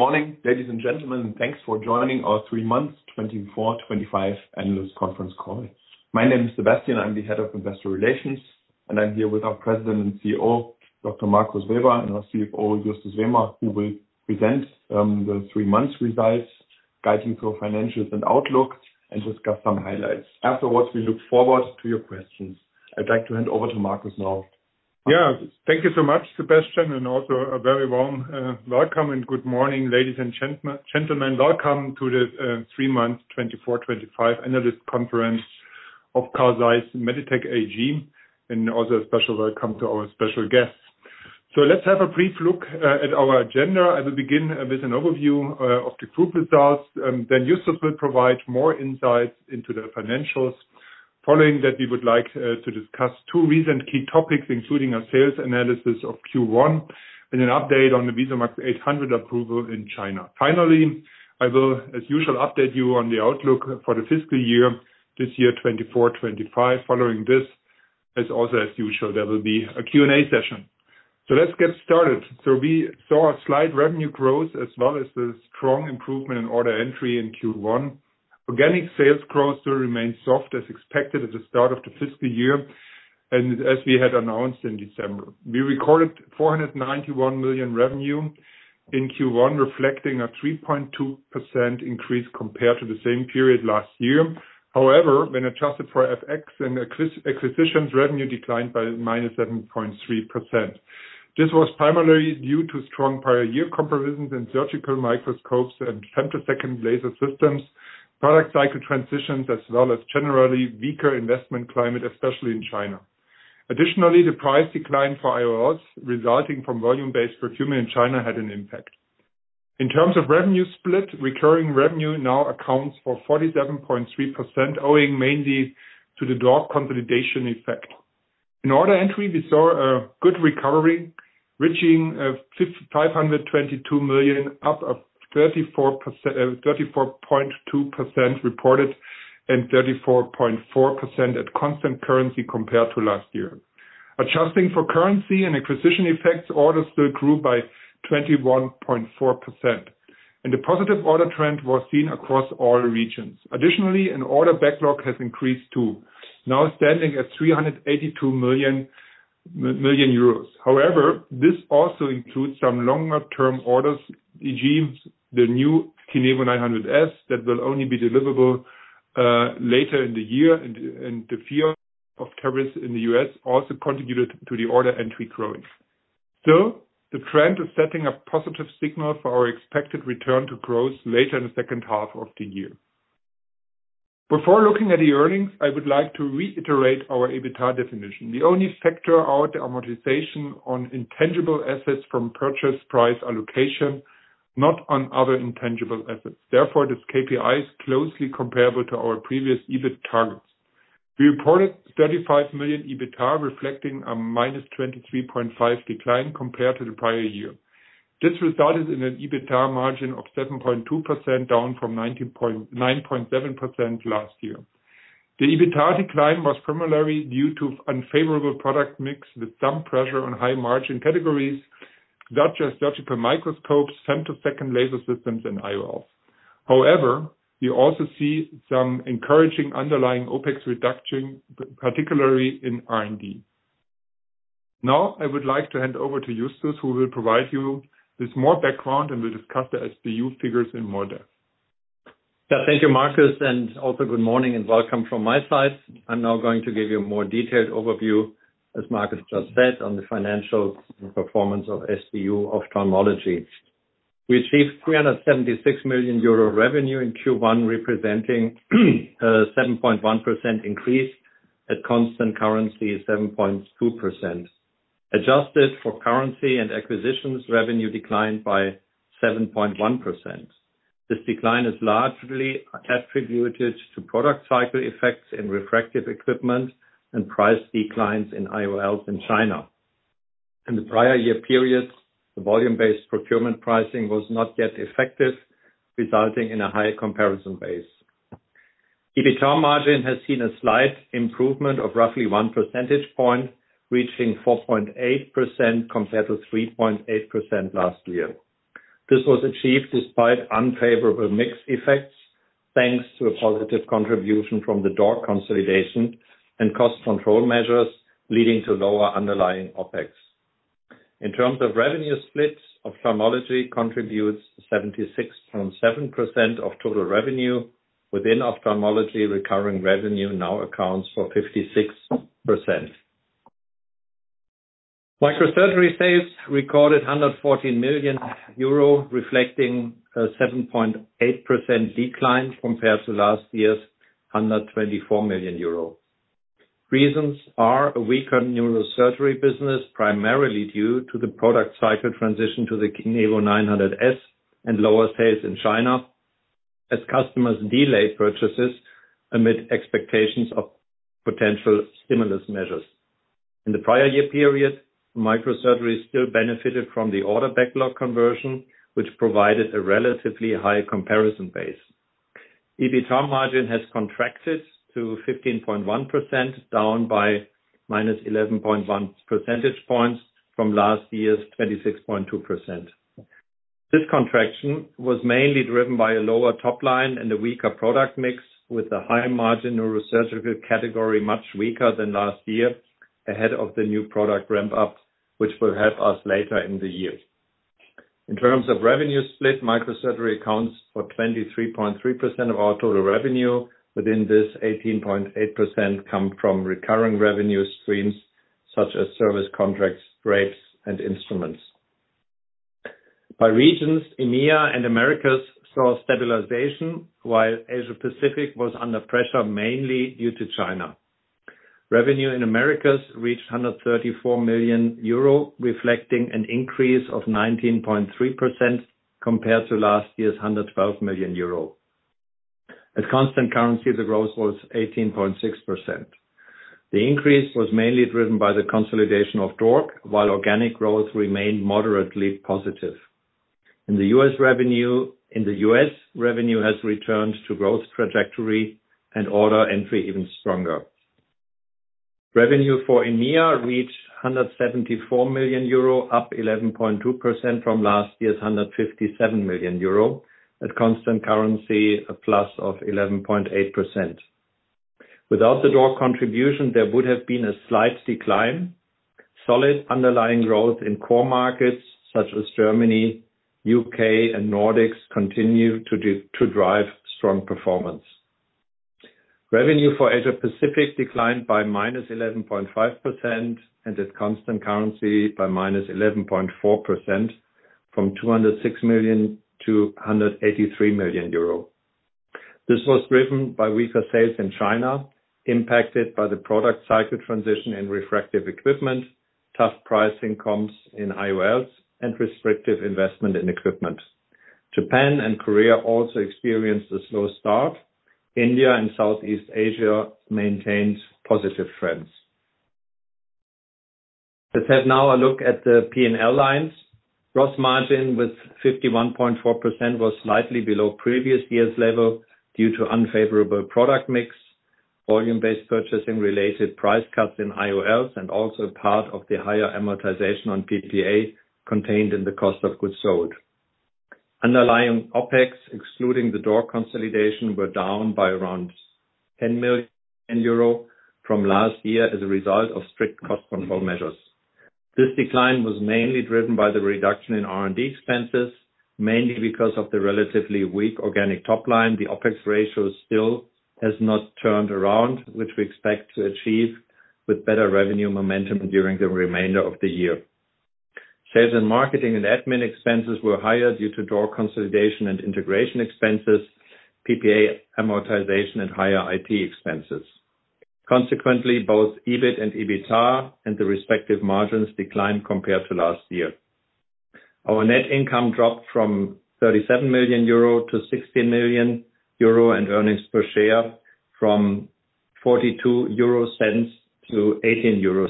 Morning, ladies and gentlemen, and thanks for joining our three-month 2024-25 analyst conference call. My name is Sebastian. I'm the head of investor relations, and I'm here with our President and CEO, Dr. Markus Weber, and our CFO, Justus Wehmer, who will present the three-month results, guide you through financials and outlook, and discuss some highlights. Afterwards, we look forward to your questions. I'd like to hand over to Markus now. Yeah, thank you so much, Sebastian, and also a very warm welcome and good morning, ladies and gentlemen. Welcome to the three-month 2024-25 analyst conference of Carl Zeiss Meditec AG, and also a special welcome to our special guests. So let's have a brief look at our agenda. I will begin with an overview of the group results, then Justus will provide more insights into the financials. Following that, we would like to discuss two recent key topics, including a sales analysis of Q1 and an update on the VISUMAX 800 approval in China. Finally, I will, as usual, update you on the outlook for the fiscal year this year, 2024-25. Following this, as also as usual, there will be a Q&A session. So let's get started. So we saw a slight revenue growth as well as the strong improvement in order entry in Q1. Organic sales growth still remained soft as expected at the start of the fiscal year, and as we had announced in December, we recorded 491 million revenue in Q1, reflecting a 3.2% increase compared to the same period last year. However, when adjusted for FX and acquisitions, revenue declined by -7.3%. This was primarily due to strong prior year comparisons in surgical microscopes and femtosecond laser systems, product cycle transitions, as well as generally weaker investment climate, especially in China. Additionally, the price decline for IOLs resulting from volume-based procurement in China had an impact. In terms of revenue split, recurring revenue now accounts for 47.3%, owing mainly to the DORC consolidation effect. In order entry, we saw a good recovery, reaching 522 million, up 34.2% reported and 34.4% at constant currency compared to last year. Adjusting for currency and acquisition effects, orders still grew by 21.4%, and the positive order trend was seen across all regions. Additionally, an order backlog has increased too, now standing at 382 million. However, this also includes some longer-term orders, e.g., the new KINEVO 900 S that will only be deliverable later in the year, and the fear of tariffs in the U.S. also contributed to the order entry growth, so the trend is setting a positive signal for our expected return to growth later in the second half of the year. Before looking at the earnings, I would like to reiterate our EBITDA definition. We only factor out the amortization on intangible assets from purchase price allocation, not on other intangible assets. Therefore, this KPI is closely comparable to our previous EBIT targets. We reported 35 million EBITDA, reflecting a -23.5% decline compared to the prior year. This resulted in an EBITDA margin of 7.2%, down from 9.7% last year. The EBITDA decline was primarily due to unfavorable product mix with some pressure on high-margin categories such as surgical microscopes, femtosecond laser systems, and IOLs. However, we also see some encouraging underlying OpEx reduction, particularly in R&D. Now, I would like to hand over to Justus, who will provide you with more background and will discuss the SBU figures in more depth. Yeah, thank you, Markus, and also good morning and welcome from my side. I'm now going to give you a more detailed overview, as Markus just said, on the financial performance of SBU Ophthalmology. We achieved 376 million euro revenue in Q1, representing a 7.1% increase at constant currency, 7.2%. Adjusted for currency and acquisitions, revenue declined by 7.1%. This decline is largely attributed to product cycle effects in refractive equipment and price declines in IOLs in China. In the prior year period, the volume-based procurement pricing was not yet effective, resulting in a high comparison base. EBITDA margin has seen a slight improvement of roughly one percentage point, reaching 4.8% compared to 3.8% last year. This was achieved despite unfavorable mix effects, thanks to a positive contribution from the DORC consolidation and cost control measures, leading to lower underlying OpEx. In terms of revenue split, Ophthalmology contributes 76.7% of total revenue. Within Ophthalmology, recurring revenue now accounts for 56%. Microsurgery sales recorded 114 million euro, reflecting a 7.8% decline compared to last year's 124 million euro. Reasons are a weaker neurosurgery business, primarily due to the product cycle transition to the KINEVO 900 S and lower sales in China, as customers delay purchases amid expectations of potential stimulus measures. In the prior year period, Microsurgery still benefited from the order backlog conversion, which provided a relatively high comparison base. EBITDA margin has contracted to 15.1%, down by -11.1% points from last year's 26.2%. This contraction was mainly driven by a lower top line and a weaker product mix, with the high-margin neurosurgical category much weaker than last year ahead of the new product ramp-up, which will help us later in the year. In terms of revenue split, Microsurgery accounts for 23.3% of our total revenue. Within this, 18.8% come from recurring revenue streams such as service contracts, drapes, and instruments. By regions, EMEA and Americas saw stabilization, while Asia-Pacific was under pressure mainly due to China. Revenue in Americas reached 134 million euro, reflecting an increase of 19.3% compared to last year's 112 million euro. At constant currency, the growth was 18.6%. The increase was mainly driven by the consolidation of DORC, while organic growth remained moderately positive. In the U.S., revenue has returned to growth trajectory and order entry even stronger. Revenue for EMEA reached 174 million euro, up 11.2% from last year's 157 million euro at constant currency, a plus of 11.8%. Without the DORC contribution, there would have been a slight decline. Solid underlying growth in core markets such as Germany, U.K., and Nordics continued to drive strong performance. Revenue for Asia-Pacific declined by -11.5%, and at constant currency, by -11.4% from 206 million-183 million euro. This was driven by weaker sales in China, impacted by the product cycle transition in refractive equipment, tough pricing comms in IOLs, and restrictive investment in equipment. Japan and Korea also experienced a slow start. India and Southeast Asia maintained positive trends. Let's have now a look at the P&L lines. Gross margin with 51.4% was slightly below previous year's level due to unfavorable product mix, volume-based purchasing-related price cuts in IOLs, and also part of the higher amortization on PPA contained in the cost of goods sold. Underlying OpEx, excluding the DORC consolidation, were down by around 10 million euro from last year as a result of strict cost control measures. This decline was mainly driven by the reduction in R&D expenses, mainly because of the relatively weak organic top line. The OpEx ratio still has not turned around, which we expect to achieve with better revenue momentum during the remainder of the year. Sales and marketing and admin expenses were higher due to DORC consolidation and integration expenses, PPA amortization, and higher IT expenses. Consequently, both EBIT and EBITDA and the respective margins declined compared to last year. Our net income dropped from 37 million-16 million euro and earnings per share from 0.42-0.18 euro,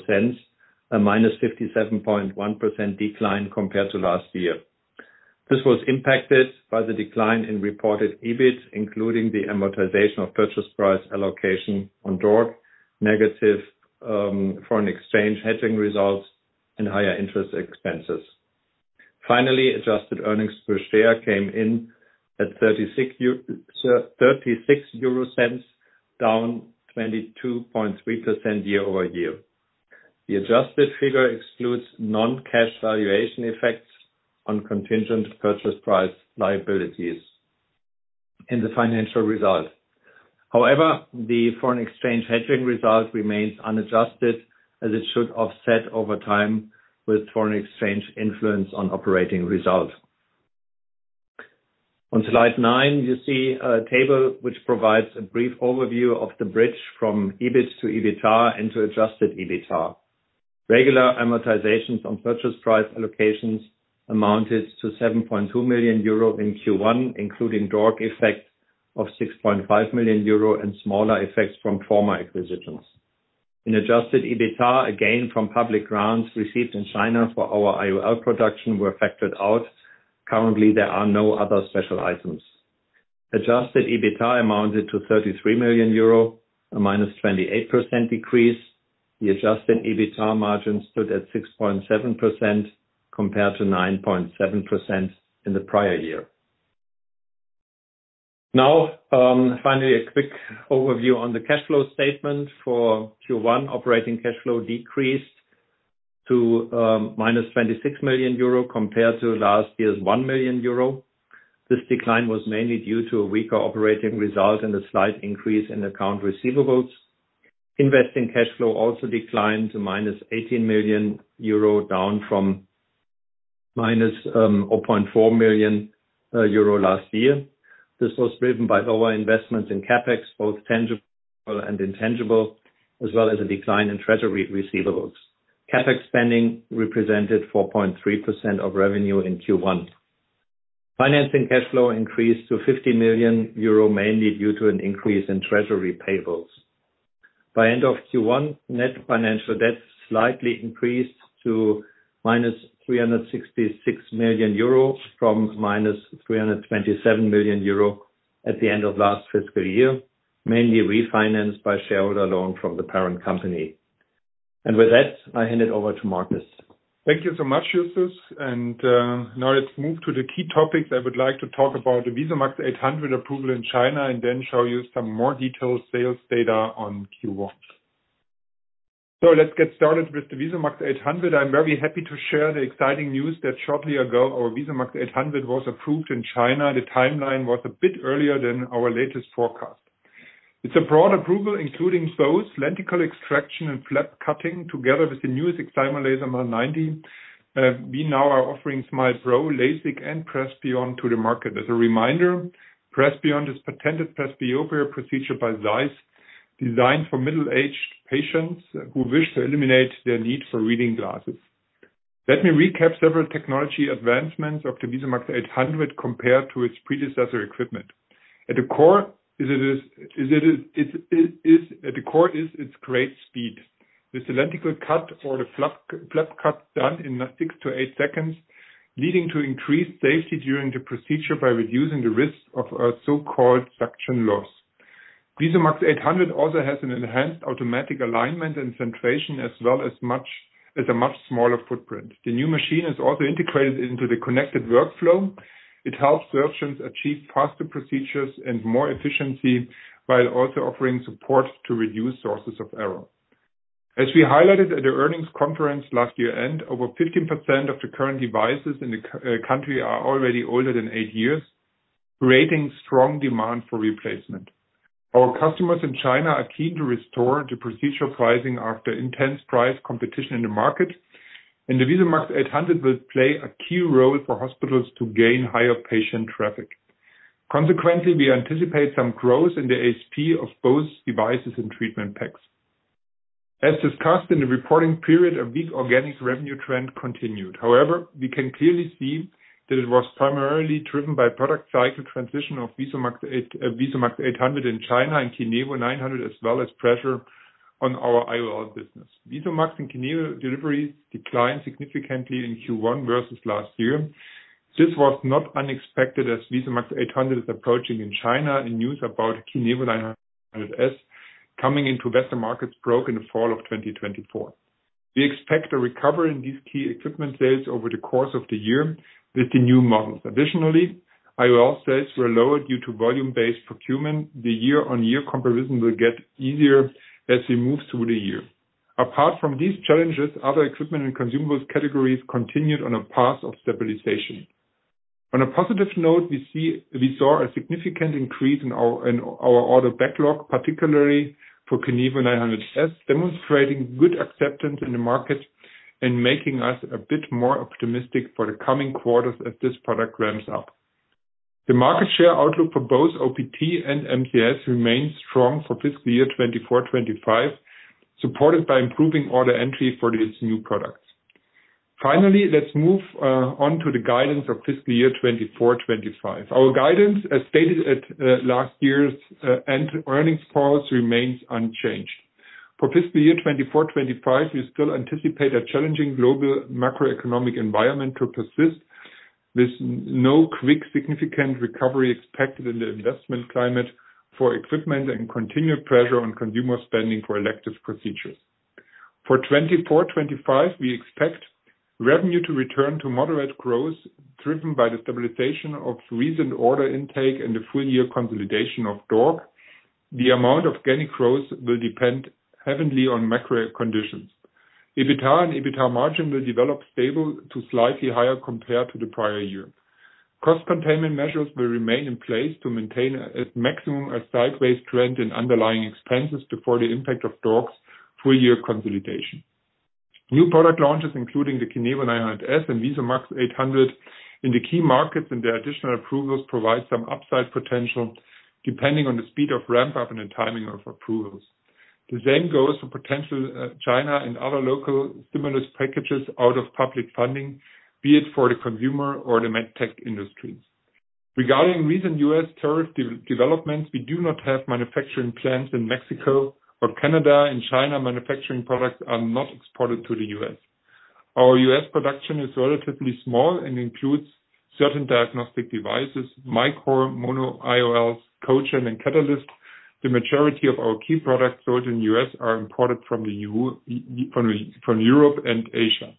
a -57.1% decline compared to last year. This was impacted by the decline in reported EBIT, including the amortization of purchase price allocation on DORC, negative foreign exchange hedging results, and higher interest expenses. Finally, adjusted earnings per share came in at 0.36, down 22.3% year-over-year. The adjusted figure excludes non-cash valuation effects on contingent purchase price liabilities in the financial result. However, the foreign exchange hedging result remains unadjusted, as it should offset over time with foreign exchange influence on operating result. On slide nine, you see a table which provides a brief overview of the bridge from EBIT to EBITDA into adjusted EBITDA. Regular amortizations on purchase price allocations amounted to 7.2 million euro in Q1, including DORC effect of 6.5 million euro and smaller effects from former acquisitions. In adjusted EBITDA, again, from public grants received in China for our IOL production, were factored out. Currently, there are no other special items. Adjusted EBITDA amounted to 33 million euro, a -28% decrease. The adjusted EBITDA margin stood at 6.7% compared to 9.7% in the prior year. Now, finally, a quick overview on the cash flow statement for Q1. Operating cash flow decreased to -26 million euro compared to last year's 1 million euro. This decline was mainly due to a weaker operating result and a slight increase in accounts receivable. Investing cash flow also declined to -18 million euro, down from -0.4 million euro last year. This was driven by lower investments in CapEx, both tangible and intangible, as well as a decline in treasury receivables. CapEx spending represented 4.3% of revenue in Q1. Financing cash flow increased to 50 million euro, mainly due to an increase in treasury payables. By end of Q1, net financial debt slightly increased to -366 million euro from -327 million euro at the end of last fiscal year, mainly refinanced by shareholder loan from the parent company. With that, I hand it over to Markus. Thank you so much, Justus. Now let's move to the key topics. I would like to talk about the VISUMAX 800 approval in China and then show you some more detailed sales data on Q1. Let's get started with the VISUMAX 800. I'm very happy to share the exciting news that shortly ago, our VISUMAX 800 was approved in China. The timeline was a bit earlier than our latest forecast. It's a broad approval, including both lenticule extraction and flap cutting, together with the newest excimer laser, MEL 90. We now are offering SMILE pro, LASIK, and PRESBYOND to the market. As a reminder, PRESBYOND is a patented presbyopia procedure by Zeiss, designed for middle-aged patients who wish to eliminate their need for reading glasses. Let me recap several technology advancements of the VISUMAX 800 compared to its predecessor equipment. At the core is its great speed. The lenticule cut or the flap cut is done in six to eight seconds, leading to increased safety during the procedure by reducing the risk of so-called suction loss. VISUMAX 800 also has an enhanced automatic alignment and centration, as well as a much smaller footprint. The new machine is also integrated into the connected workflow. It helps surgeons achieve faster procedures and more efficiency while also offering support to reduce sources of error. As we highlighted at the earnings conference last year-end, over 15% of the current devices in the country are already older than eight years, creating strong demand for replacement. Our customers in China are keen to restore the procedure pricing after intense price competition in the market, and the VISUMAX 800 will play a key role for hospitals to gain higher patient traffic. Consequently, we anticipate some growth in the ASP of both devices and treatment packs. As discussed in the reporting period, a weak organic revenue trend continued. However, we can clearly see that it was primarily driven by product cycle transition of VISUMAX 800 in China and KINEVO 900, as well as pressure on our IOL business. VISUMAX and KINEVO deliveries declined significantly in Q1 versus last year. This was not unexpected as VISUMAX 800 is approaching in China and news about KINEVO 900 S coming into Western markets broke in the fall of 2024. We expect a recovery in these key equipment sales over the course of the year with the new models. Additionally, IOL sales were lower due to volume-based procurement. The year-on-year comparison will get easier as we move through the year. Apart from these challenges, other equipment and consumables categories continued on a path of stabilization. On a positive note, we saw a significant increase in our order backlog, particularly for KINEVO 900 S, demonstrating good acceptance in the market and making us a bit more optimistic for the coming quarters as this product ramps up. The market share outlook for both OPT and MCS remains strong for fiscal year 2024-2025, supported by improving order entry for these new products. Finally, let's move on to the guidance of fiscal year 2024-2025. Our guidance, as stated at last year's earnings calls, remains unchanged. For fiscal year 2024-2025, we still anticipate a challenging global macroeconomic environment to persist with no quick significant recovery expected in the investment climate for equipment and continued pressure on consumer spending for elective procedures. For 2024-2025, we expect revenue to return to moderate growth driven by the stabilization of recent order intake and the full-year consolidation of DORC. The amount of organic growth will depend heavily on macro conditions. EBITDA and EBITDA margin will develop stable to slightly higher compared to the prior year. Cost containment measures will remain in place to maintain at maximum a sideways trend in underlying expenses before the impact of DORC's full-year consolidation. New product launches, including the KINEVO 900 S and VISUMAX 800 in the key markets and their additional approvals, provide some upside potential depending on the speed of ramp-up and the timing of approvals. The same goes for potential China and other local stimulus packages out of public funding, be it for the consumer or the medtech industries. Regarding recent U.S. tariff developments, we do not have manufacturing plants in Mexico or Canada. In China, manufacturing products are not exported to the U.S. Our U.S. production is relatively small and includes certain diagnostic devices, micro, mono IOLs, co-chain, and Catalyst. The majority of our key products sold in the U.S. are imported from Europe and Asia.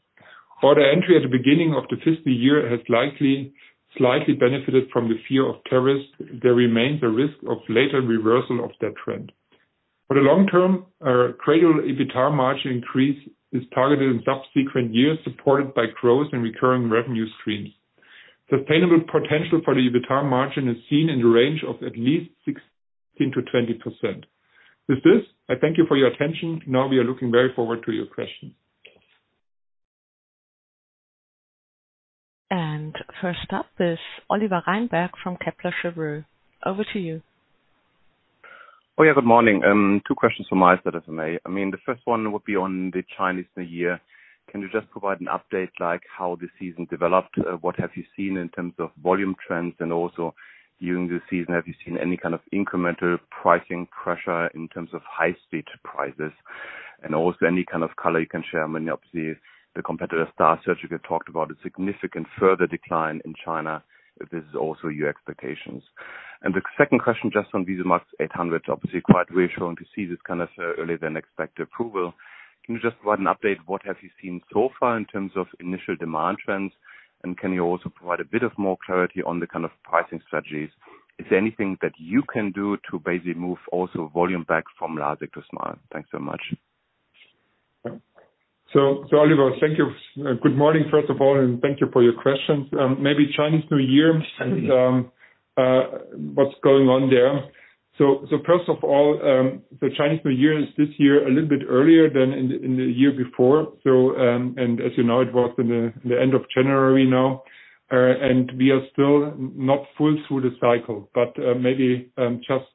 Order entry at the beginning of the fiscal year has likely slightly benefited from the fear of tariffs. There remains a risk of later reversal of that trend. For the long term, gradual EBITDA margin increase is targeted in subsequent years, supported by growth and recurring revenue streams. Sustainable potential for the EBITDA margin is seen in the range of at least 16%-20%. With this, I thank you for your attention. Now we are looking very forward to your questions. And first up is Oliver Reinberg from Kepler Cheuvreux. Over to you. Oh, yeah, good morning. Two questions from my side if I may. I mean, the first one would be on the Chinese New Year. Can you just provide an update like how the season developed? What have you seen in terms of volume trends? And also, during the season, have you seen any kind of incremental pricing pressure in terms of high-end prices? And also, any kind of color you can share? Obviously, the competitor STAAR Surgical talked about a significant further decline in China. Is this also your expectations? And the second question just on VISUMAX 800, obviously quite reassuring to see this kind of earlier than expected approval. Can you just provide an update? What have you seen so far in terms of initial demand trends? And can you also provide a bit more clarity on the kind of pricing strategies? Is there anything that you can do to basically move also volume back from large to small? Thanks so much. So, Oliver, thank you. Good morning, first of all, and thank you for your questions. Maybe Chinese New Year and what's going on there. So first of all, the Chinese New Year is this year a little bit earlier than in the year before. And as you know, it was in the end of January now. And we are still not full through the cycle. But maybe just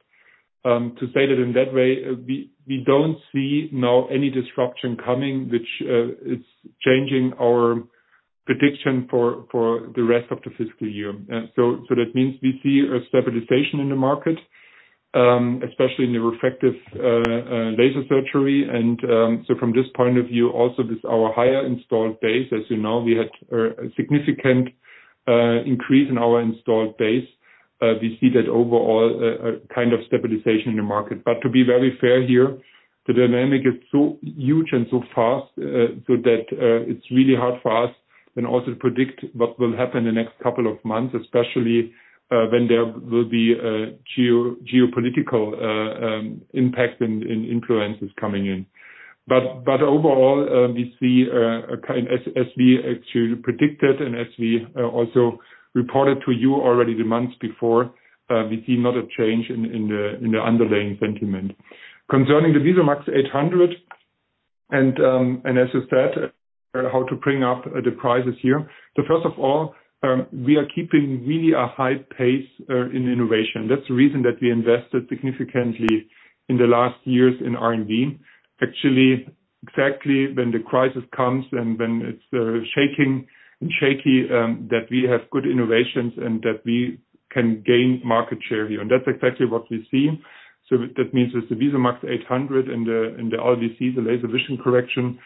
to say that in that way, we don't see now any disruption coming, which is changing our prediction for the rest of the fiscal year. So that means we see a stabilization in the market, especially in the refractive laser surgery. And so from this point of view, also with our higher installed base, as you know, we had a significant increase in our installed base. We see that overall kind of stabilization in the market. But to be very fair here, the dynamic is so huge and so fast so that it's really hard for us then also to predict what will happen in the next couple of months, especially when there will be geopolitical impact and influences coming in. But overall, we see as we actually predicted and as we also reported to you already the months before, we see not a change in the underlying sentiment. Concerning the VISUMAX 800 and as you said, how to bring up the prices here. So first of all, we are keeping really a high pace in innovation. That's the reason that we invested significantly in the last years in R&D. Actually, exactly when the crisis comes and when it's shaky that we have good innovations and that we can gain market share here. And that's exactly what we see. So that means with the VISUMAX 800 and the LVC, the laser vision correction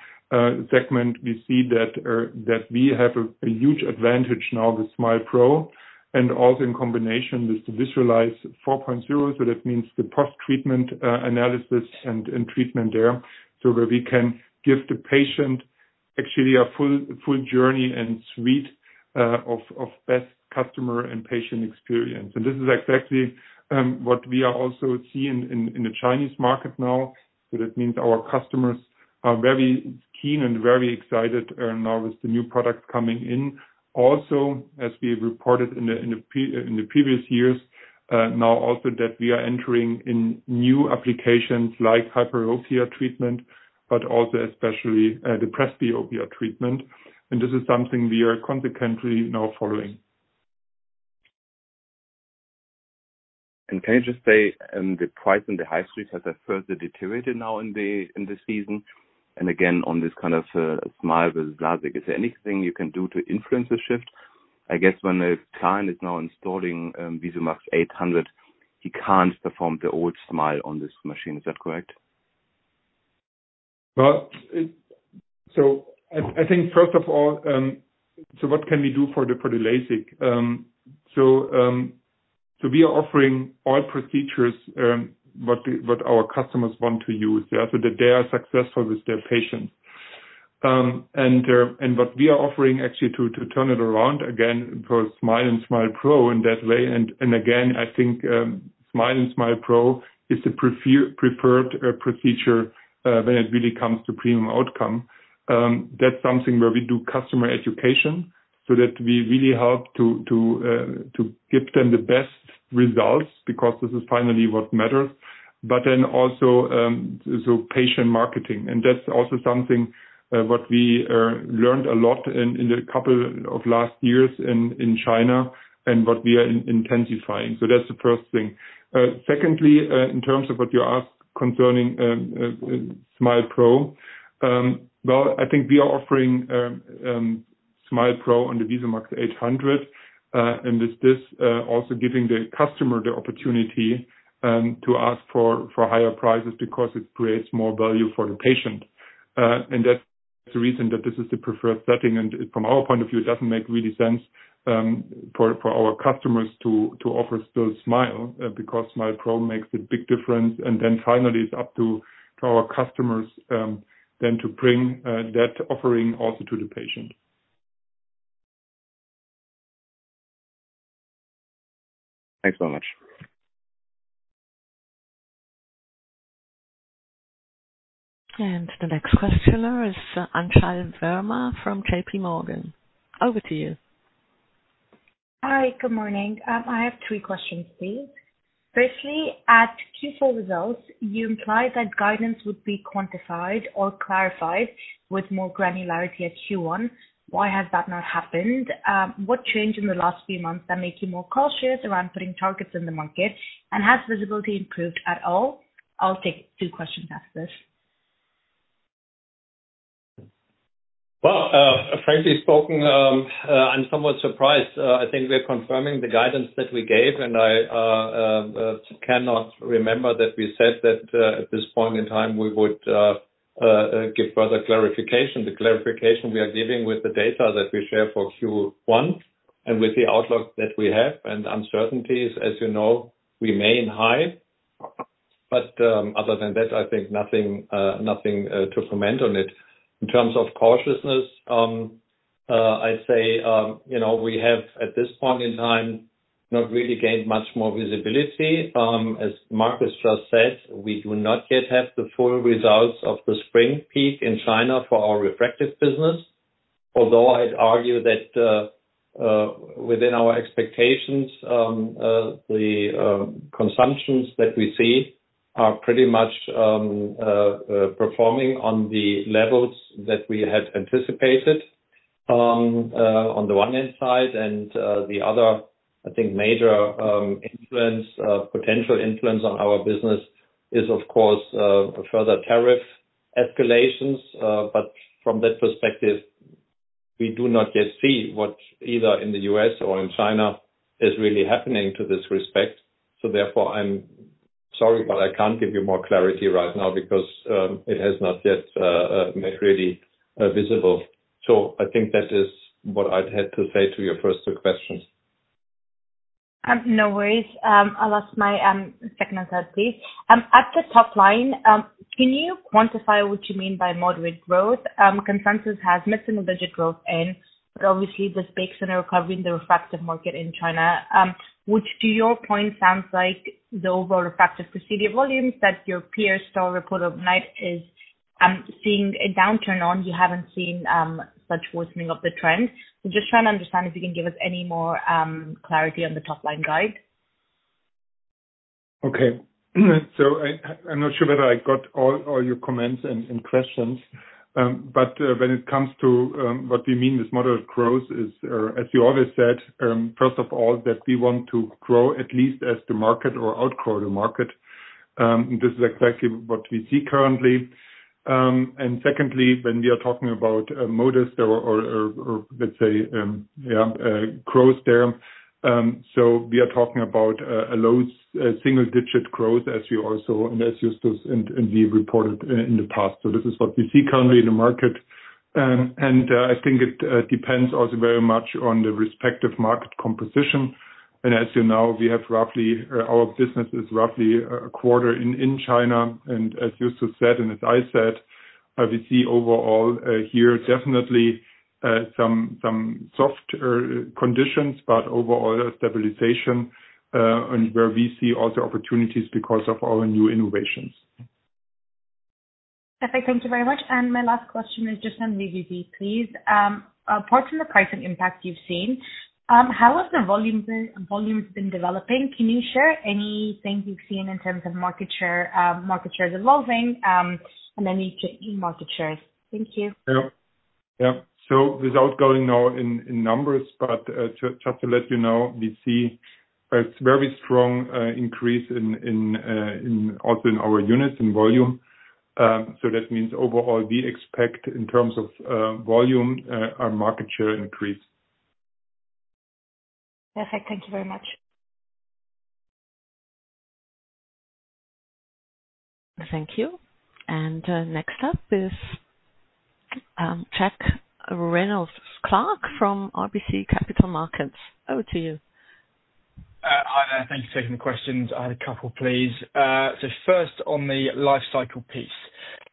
segment, we see that we have a huge advantage now with SMILE pro and also in combination with the VISULYZE 4.0. So that means the post-treatment analysis and treatment there. So where we can give the patient actually a full journey and suite of best customer and patient experience. And this is exactly what we are also seeing in the Chinese market now. So that means our customers are very keen and very excited now with the new products coming in. Also, as we have reported in the previous years, now also that we are entering in new applications like hyperopia treatment, but also especially the presbyopia treatment. And this is something we are consequently now following. Can you just say the price in the high street has further deteriorated now in the season? Again, on this kind of SMILE versus LASIK, is there anything you can do to influence the shift? I guess when a client is now installing VISUMAX 800, he can't perform the old SMILE on this machine. Is that correct? Well, so I think first of all, so what can we do for the LASIK? So we are offering all procedures what our customers want to use, so that they are successful with their patients. And what we are offering actually to turn it around again for SMILE and SMILE Pro in that way. And again, I think SMILE and SMILE Pro is the preferred procedure when it really comes to premium outcome. That's something where we do customer education so that we really help to give them the best results because this is finally what matters. But then also patient marketing. And that's also something what we learned a lot in the last couple of years in China and what we are intensifying. So that's the first thing. Secondly, in terms of what you asked concerning SMILE Pro, well, I think we are offering SMILE Pro on the VISUMAX 800. And with this, also giving the customer the opportunity to ask for higher prices because it creates more value for the patient. And that's the reason that this is the preferred setting. And from our point of view, it doesn't really make sense for our customers to offer still SMILE because SMILE Pro makes a big difference. And then finally, it's up to our customers then to bring that offering also to the patient. Thanks so much. The next questioner is Anchal Verma from JPMorgan. Over to you. Hi, good morning. I have three questions, please. Firstly, at Q4 results, you implied that guidance would be quantified or clarified with more granularity at Q1. Why has that not happened? What changed in the last few months that made you more cautious around putting targets in the market? And has visibility improved at all? I'll take two questions after this. Frankly spoken, I'm somewhat surprised. I think we're confirming the guidance that we gave, and I cannot remember that we said that at this point in time we would give further clarification. The clarification we are giving with the data that we share for Q1 and with the outlook that we have. Uncertainties, as you know, remain high. But other than that, I think nothing to comment on it. In terms of cautiousness, I'd say we have at this point in time not really gained much more visibility. As Markus just said, we do not yet have the full results of the spring peak in China for our refractive business. Although I'd argue that within our expectations, the consumptions that we see are pretty much performing on the levels that we had anticipated on the one hand side. The other, I think, major potential influence on our business is, of course, further tariff escalations. But from that perspective, we do not yet see what either in the U.S. or in China is really happening to this respect. Therefore, I'm sorry, but I can't give you more clarity right now because it has not yet made really visible. I think that is what I'd had to say to your first two questions. No worries. I'll ask my second and third pieces. At the top line, can you quantify what you mean by moderate growth? Consensus has missed a beat on growth in, but obviously this bakes in a recovery in the refractive market in China, which to your point sounds like the overall refractive procedure volumes that your peers still report overnight is seeing a downturn on. You haven't seen such worsening of the trend. So just trying to understand if you can give us any more clarity on the top line guide. Okay. So I'm not sure whether I got all your comments and questions. But when it comes to what we mean with moderate growth is, as you always said, first of all, that we want to grow at least as the market or outgrow the market. This is exactly what we see currently. And secondly, when we are talking about modest or, let's say, growth there, so we are talking about a low single-digit growth as we also and as you reported in the past. So this is what we see currently in the market. And I think it depends also very much on the respective market composition. And as you know, we have roughly our business is roughly a quarter in China. As you said and as I said, we see overall here definitely some soft conditions, but overall stabilization and where we see also opportunities because of our new innovations. Perfect. Thank you very much. And my last question is just on VBP, please. Apart from the pricing impact you've seen, how have the volumes been developing? Can you share anything you've seen in terms of market shares evolving and any changing market shares? Thank you. Yeah. Yeah. So without going now in numbers, but just to let you know, we see a very strong increase also in our units and volume. So that means overall we expect in terms of volume, our market share increase. Perfect. Thank you very much. Thank you. And next up is Jack Reynolds-Clark from RBC Capital Markets. Over to you. Hi, thank you for taking the questions. I had a couple, please. So first on the life cycle piece,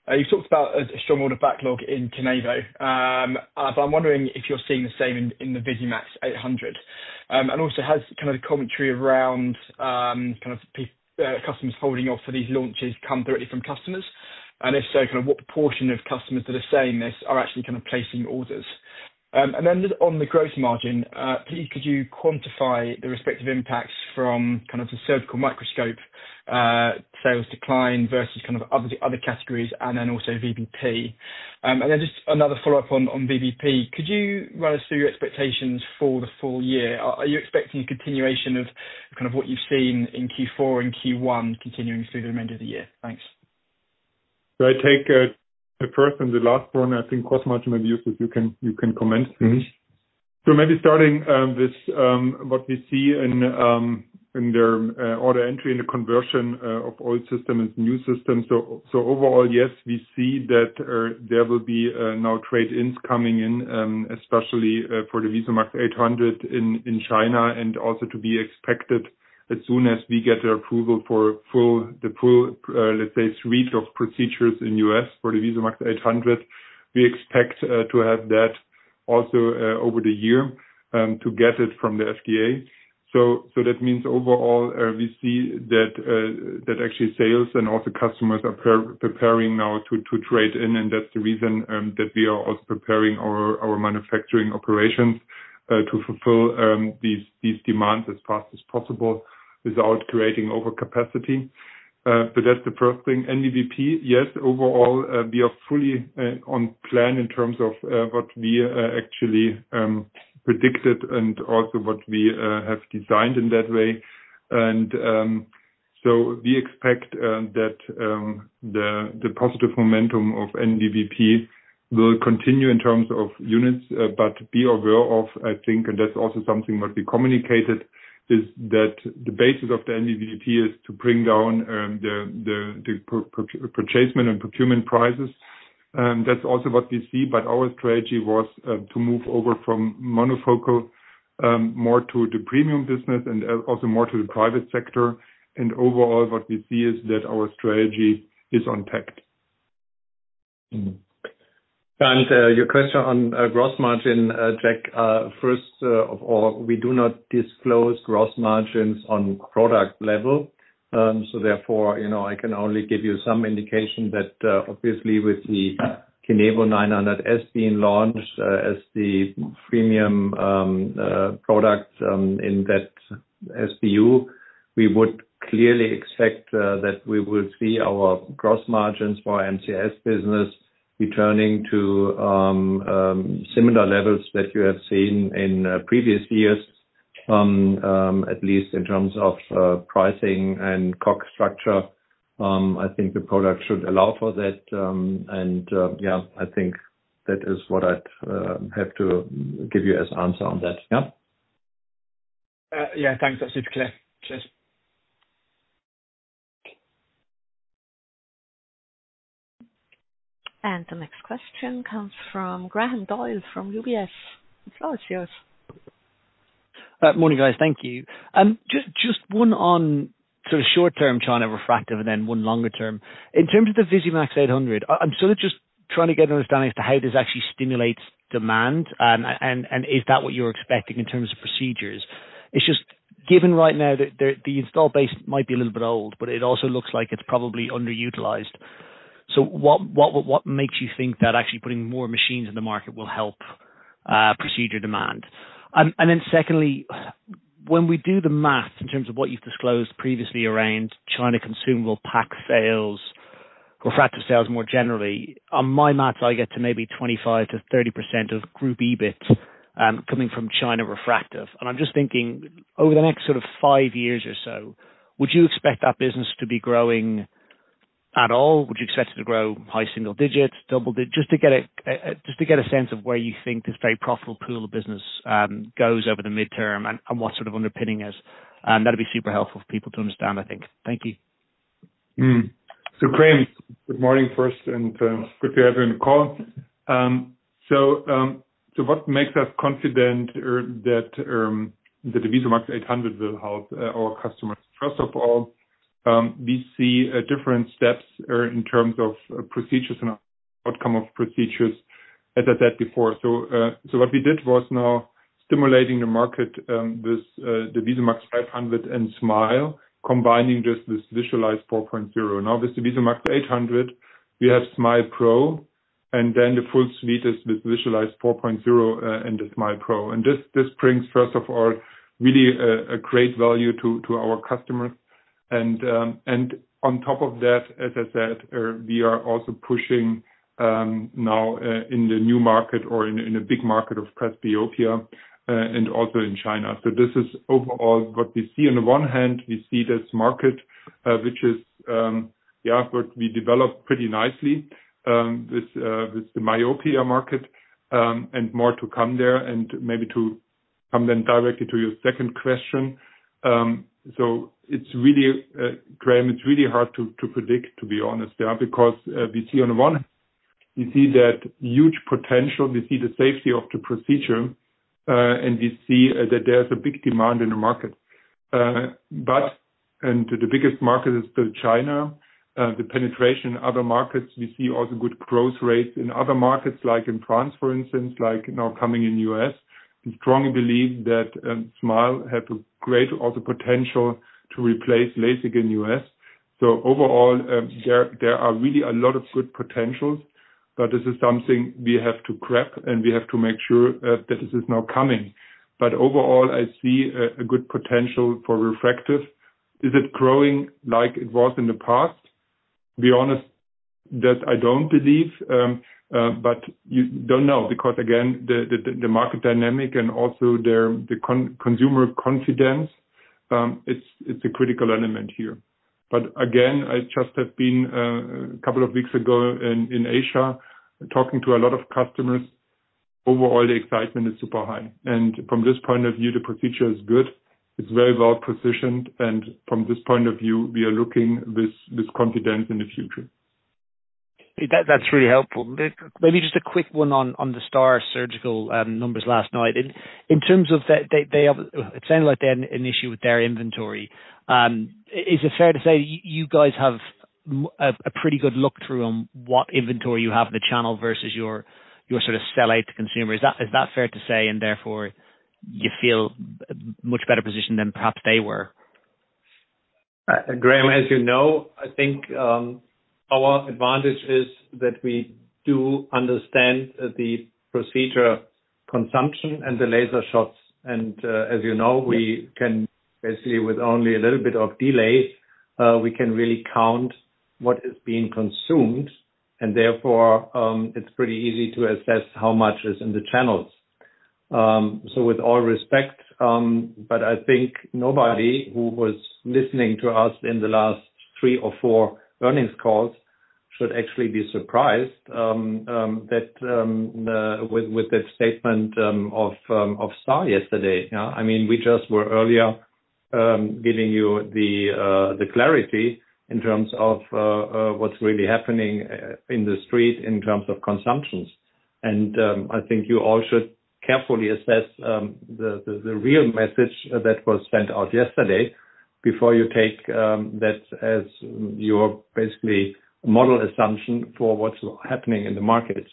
you've talked about a strong order backlog in KINEVO. But I'm wondering if you're seeing the same in the VISUMAX 800. And also, has kind of the commentary around kind of customers holding off for these launches come directly from customers? And if so, kind of what portion of customers that are saying this are actually kind of placing orders? And then on the gross margin, please, could you quantify the respective impacts from kind of the surgical microscope sales decline versus kind of other categories and then also VBP? And then just another follow-up on VBP, could you run us through your expectations for the full year? Are you expecting a continuation of kind of what you've seen in Q4 and Q1 continuing through the remainder of the year? Thanks. I take the first and the last one. I think gross margin, if you can comment. Maybe starting with what we see in the order entry and the conversion of old systems and new systems. Overall, yes, we see that there will be now trade-ins coming in, especially for the VISUMAX 800 in China. Also to be expected as soon as we get the approval for the full, let's say, suite of procedures in the US for the VISUMAX 800, we expect to have that also over the year to get it from the FDA. That means overall, we see that actually sales and also customers are preparing now to trade in. That's the reason that we are also preparing our manufacturing operations to fulfill these demands as fast as possible without creating overcapacity. That's the first thing. And VBP, yes, overall, we are fully on plan in terms of what we actually predicted and also what we have designed in that way. And so we expect that the positive momentum of VBP will continue in terms of units. But be aware of, I think, and that's also something what we communicated, is that the basis of the VBP is to bring down the purchase and procurement prices. That's also what we see. But our strategy was to move over from monofocal more to the premium business and also more to the private sector. And overall, what we see is that our strategy is unpacked. Your question on gross margin, Jack, first of all, we do not disclose gross margins on product level. So therefore, I can only give you some indication that obviously with the KINEVO 900 S being launched as the premium product in that SBU, we would clearly expect that we will see our gross margins for MCS business returning to similar levels that you have seen in previous years, at least in terms of pricing and COG structure. I think the product should allow for that. And yeah, I think that is what I'd have to give you as answer on that. Yeah. Yeah. Thanks. That's super clear. Cheers. And the next question comes from Graham Doyle from UBS. Floor is yours. Morning, guys. Thank you. Just one on sort of short-term China refractive and then one longer term. In terms of the VISUMAX 800, I'm sort of just trying to get an understanding as to how this actually stimulates demand. And is that what you're expecting in terms of procedures? It's just given right now that the installed base might be a little bit old, but it also looks like it's probably underutilized. So what makes you think that actually putting more machines in the market will help procedure demand? And then secondly, when we do the math in terms of what you've disclosed previously around China consumable pack sales, refractive sales more generally, on my math, I get to maybe 25%-30% of group EBIT coming from China refractive. I'm just thinking, over the next sort of five years or so, would you expect that business to be growing at all? Would you expect it to grow high single digits, double digits? Just to get a sense of where you think this very profitable pool of business goes over the midterm and what sort of underpinning is. That would be super helpful for people to understand, I think. Thank you. So, Graham, good morning first. And good to have you on the call. So what makes us confident that the VISUMAX 800 will help our customers? First of all, we see different steps in terms of procedures and outcome of procedures, as I said before. So what we did was now stimulating the market with the VISUMAX 500 and SMILE, combining this with VISULYZE 4.0. Now, with the VISUMAX 800, we have SMILE pro, and then the full suite is with VISULYZE 4.0 and the SMILE pro. And this brings, first of all, really a great value to our customers. And on top of that, as I said, we are also pushing now in the new market or in a big market of presbyopia and also in China. So this is overall what we see. On the one hand, we see this market, which is, yeah, what we developed pretty nicely with the myopia market and more to come there and maybe to come then directly to your second question. So it's really, Graham, it's really hard to predict, to be honest, because we see on the one hand, we see that huge potential. We see the safety of the procedure, and we see that there's a big demand in the market. But the biggest market is still China. The penetration in other markets, we see also good growth rates in other markets, like in France, for instance, like now coming in the U.S. We strongly believe that SMILE has a great also potential to replace LASIK in the U.S. So overall, there are really a lot of good potentials, but this is something we have to prep, and we have to make sure that this is now coming. But overall, I see a good potential for refractive. Is it growing like it was in the past? To be honest, that I don't believe. But you don't know because, again, the market dynamic and also the consumer confidence, it's a critical element here. But again, I just have been a couple of weeks ago in Asia talking to a lot of customers. Overall, the excitement is super high. And from this point of view, the procedure is good. It's very well positioned. And from this point of view, we are looking with confidence in the future. That's really helpful. Maybe just a quick one on the STAAR Surgical numbers last night. In terms of it sounded like they had an issue with their inventory. Is it fair to say you guys have a pretty good look-through on what inventory you have in the channel versus your sort of sell-out to consumers? Is that fair to say, and therefore, you feel much better positioned than perhaps they were? Graham, as you know, I think our advantage is that we do understand the procedure consumption and the laser shots. And as you know, we can basically with only a little bit of delay, we can really count what is being consumed. And therefore, it's pretty easy to assess how much is in the channels. So with all respect, but I think nobody who was listening to us in the last three or four earnings calls should actually be surprised with that statement of STAAR yesterday. I mean, we just were earlier giving you the clarity in terms of what's really happening in the street in terms of consumptions. And I think you all should carefully assess the real message that was sent out yesterday before you take that as your basically model assumption for what's happening in the markets.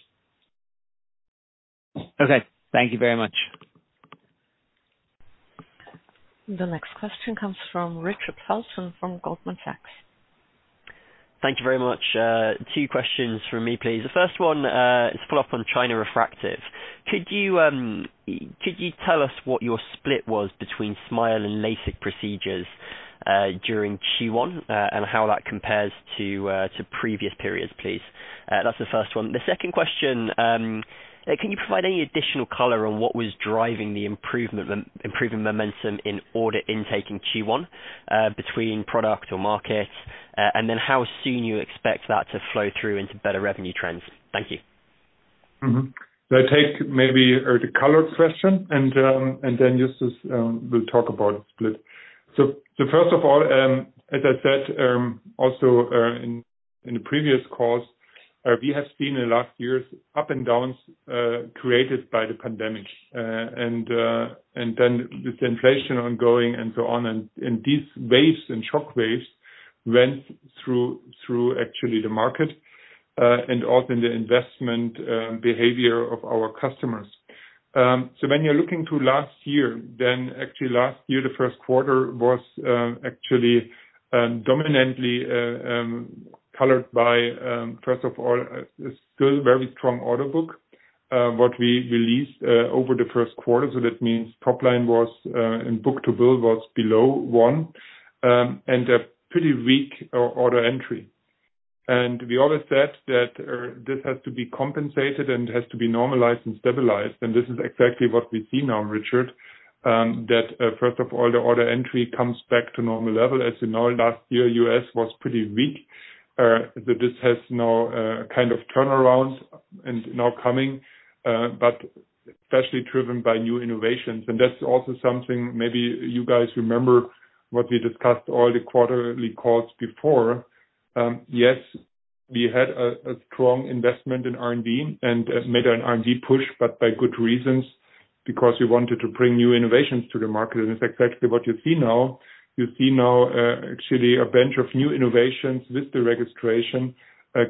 Okay. Thank you very much. The next question comes from Richard Felton from Goldman Sachs. Thank you very much. Two questions from me, please. The first one is a follow-up on China refractive. Could you tell us what your split was between SMILE and LASIK procedures during Q1 and how that compares to previous periods, please? That's the first one. The second question, can you provide any additional color on what was driving the improving momentum in order intake in Q1 between product or market, and then how soon you expect that to flow through into better revenue trends? Thank you. I take maybe the color question and then just we'll talk about the split. So first of all, as I said, also in the previous calls, we have seen in the last years ups and downs created by the pandemic. And then with the inflation ongoing and so on, and these waves and shockwaves went through actually the market and also in the investment behavior of our customers. So when you're looking to last year, then actually last year, the Q1 was actually dominantly colored by, first of all, a still very strong order book what we released over the Q1. So that means top line, book-to-bill was below one and a pretty weak order entry. And we always said that this has to be compensated and has to be normalized and stabilized. This is exactly what we see now, Richard, that first of all, the order entry comes back to normal level. As you know, last year, U.S. was pretty weak. So this has now kind of turned around and now coming, but especially driven by new innovations. And that's also something maybe you guys remember what we discussed all the quarterly calls before. Yes, we had a strong investment in R&D and made an R&D push, but by good reasons because we wanted to bring new innovations to the market. And it's exactly what you see now. You see now actually a bunch of new innovations with the registration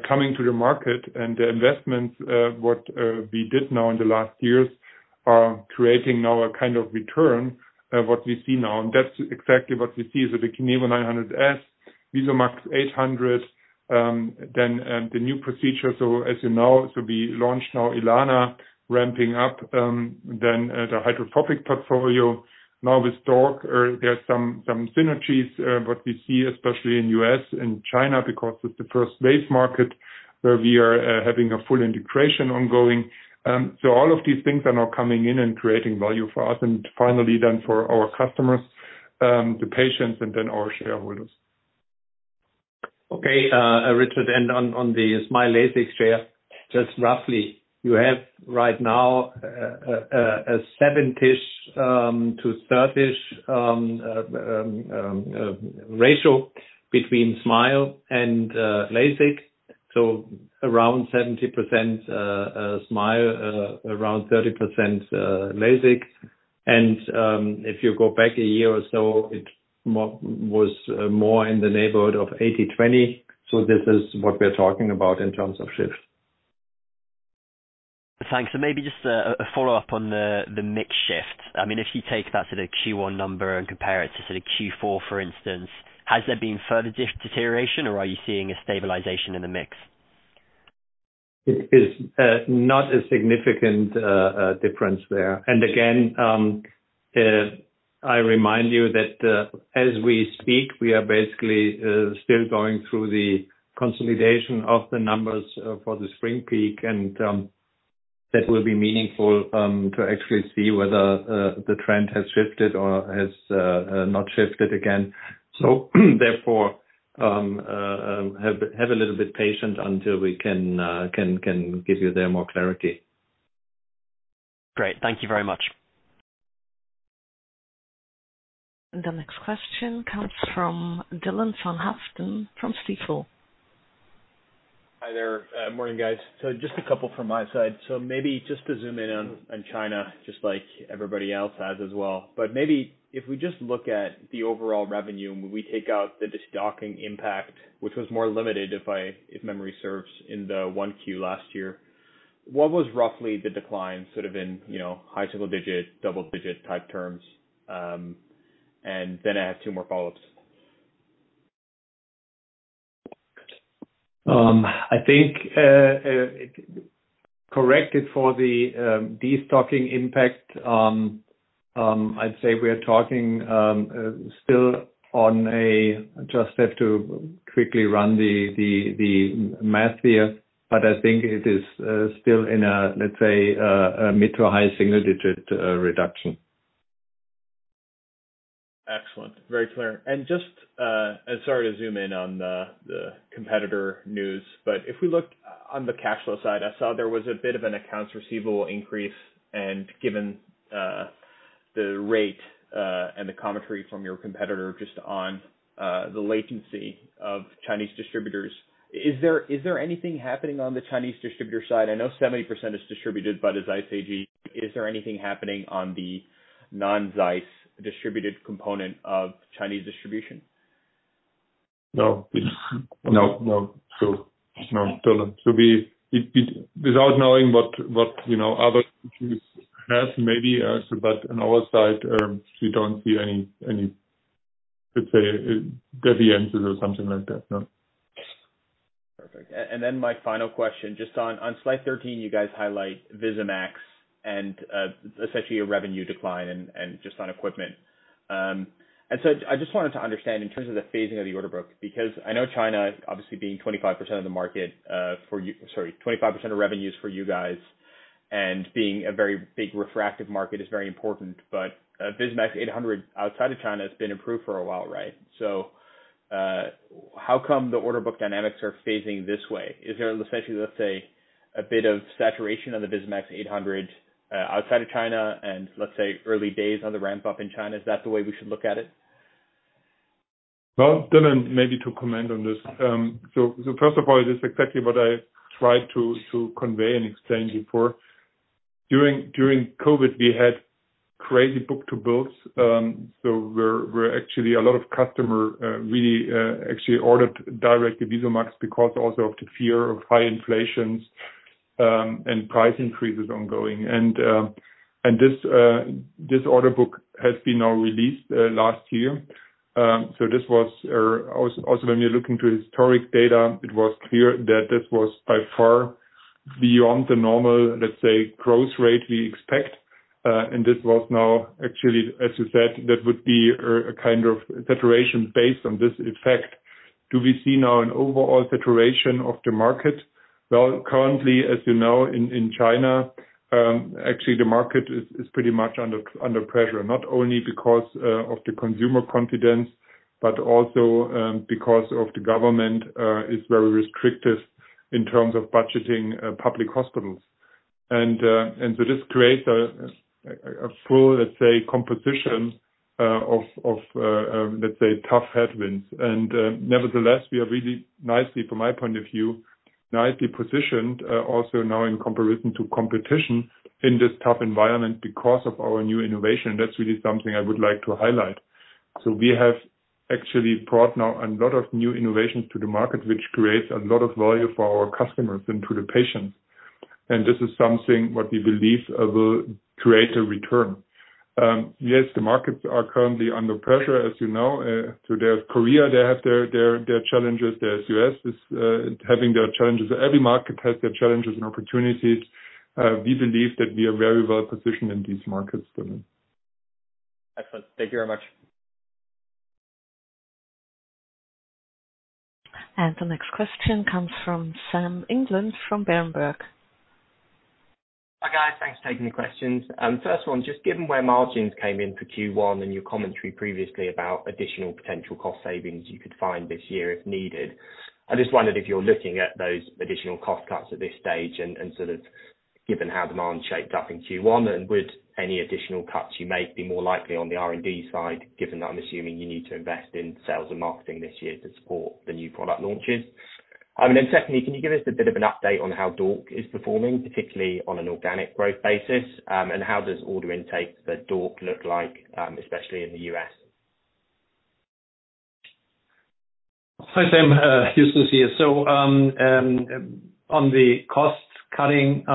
coming to the market. And the investments what we did now in the last years are creating now a kind of return what we see now. And that's exactly what we see. The KINEVO 900 S, VISUMAX 800, then the new procedure. As you know, we launched now ELANA ramping up, then the hydrophobic portfolio. Now with DORC, there are some synergies what we see, especially in U.S. and China because it's the first wave market where we are having a full integration ongoing. All of these things are now coming in and creating value for us and finally then for our customers, the patients, and then our shareholders. Okay, Richard, and on the SMILE LASIK share, just roughly, you have right now a 70 to 30 ratio between SMILE and LASIK. So around 70% SMILE, around 30% LASIK. And if you go back a year or so, it was more in the neighborhood of 80-20. So this is what we're talking about in terms of shift. Thanks. So maybe just a follow-up on the mix shift. I mean, if you take that sort of Q1 number and compare it to sort of Q4, for instance, has there been further deterioration or are you seeing a stabilization in the mix? It is not a significant difference there. And again, I remind you that as we speak, we are basically still going through the consolidation of the numbers for the spring peak, and that will be meaningful to actually see whether the trend has shifted or has not shifted again. So therefore, have a little bit patient until we can give you there more clarity. Great. Thank you very much. The next question comes from Dylan van Haaften from Stifel. Hi there. Morning, guys. So just a couple from my side. So maybe just to zoom in on China, just like everybody else has as well. But maybe if we just look at the overall revenue and we take out the DORC impact, which was more limited, if memory serves, in the Q1 last year, what was roughly the decline sort of in high single digit, double digit type terms? And then I have two more follow-ups. I think, corrected for the docking impact, I'd say we're talking still on a. Just have to quickly run the math here, but I think it is still in a, let's say, mid- to high-single-digit reduction. Excellent. Very clear, and just sorry to zoom in on the competitor news, but if we looked on the cash flow side, I saw there was a bit of an accounts receivable increase, and given the rate and the commentary from your competitor just on the latency of Chinese distributors, is there anything happening on the Chinese distributor side? I know 70% is distributed, but as I say, is there anything happening on the non-Zeiss distributed component of Chinese distribution? No. No. No. So, no. So, without knowing what other issues have maybe, but on our side, we don't see any, let's say, deviations or something like that. No. Perfect. And then my final question, just on slide 13, you guys highlight VISUMAX and essentially a revenue decline and just on equipment. And so I just wanted to understand in terms of the phasing of the order book because I know China, obviously, being 25% of the market for sorry, 25% of revenues for you guys and being a very big refractive market is very important, but VISUMAX 800 outside of China has been improved for a while, right? So how come the order book dynamics are phasing this way? Is there essentially, let's say, a bit of saturation of the VISUMAX 800 outside of China and, let's say, early days on the ramp-up in China? Is that the way we should look at it? Dylan, maybe to comment on this. First of all, it is exactly what I tried to convey and explain before. During COVID, we had crazy book-to-bills. We saw actually a lot of customers really actually ordered directly VISUMAX because also of the fear of high inflation and price increases ongoing. This order book has been now released last year. This was also, when we're looking to historic data, it was clear that this was by far beyond the normal, let's say, growth rate we expect. This was now actually, as you said, that would be a kind of saturation based on this effect. Do we see now an overall saturation of the market? Currently, as you know, in China, actually, the market is pretty much under pressure, not only because of the consumer confidence, but also because the government is very restrictive in terms of budgeting public hospitals. This creates a full, let's say, combination of, let's say, tough headwinds. Nevertheless, we are really nicely, from my point of view, nicely positioned also now in comparison to competition in this tough environment because of our new innovation. That's really something I would like to highlight. We have actually brought now a lot of new innovations to the market, which creates a lot of value for our customers and to the patients. This is something what we believe will create a return. Yes, the markets are currently under pressure, as you know. There's Korea, they have their challenges. The US is having their challenges. Every market has their challenges and opportunities. We believe that we are very well positioned in these markets, Dylan. Excellent. Thank you very much. The next question comes from Sam England from Berenberg. Hi guys. Thanks for taking the questions. First one, just given where margins came in for Q1 and your commentary previously about additional potential cost savings you could find this year if needed, I just wondered if you're looking at those additional cost cuts at this stage and sort of given how demand shaped up in Q1, and would any additional cuts you make be more likely on the R&D side, given that I'm assuming you need to invest in sales and marketing this year to support the new product launches? And then secondly, can you give us a bit of an update on how DORC is performing, particularly on an organic growth basis, and how does order intake for DORC look like, especially in the U.S.? Hi, Sam. Justus is here. So on the cost cutting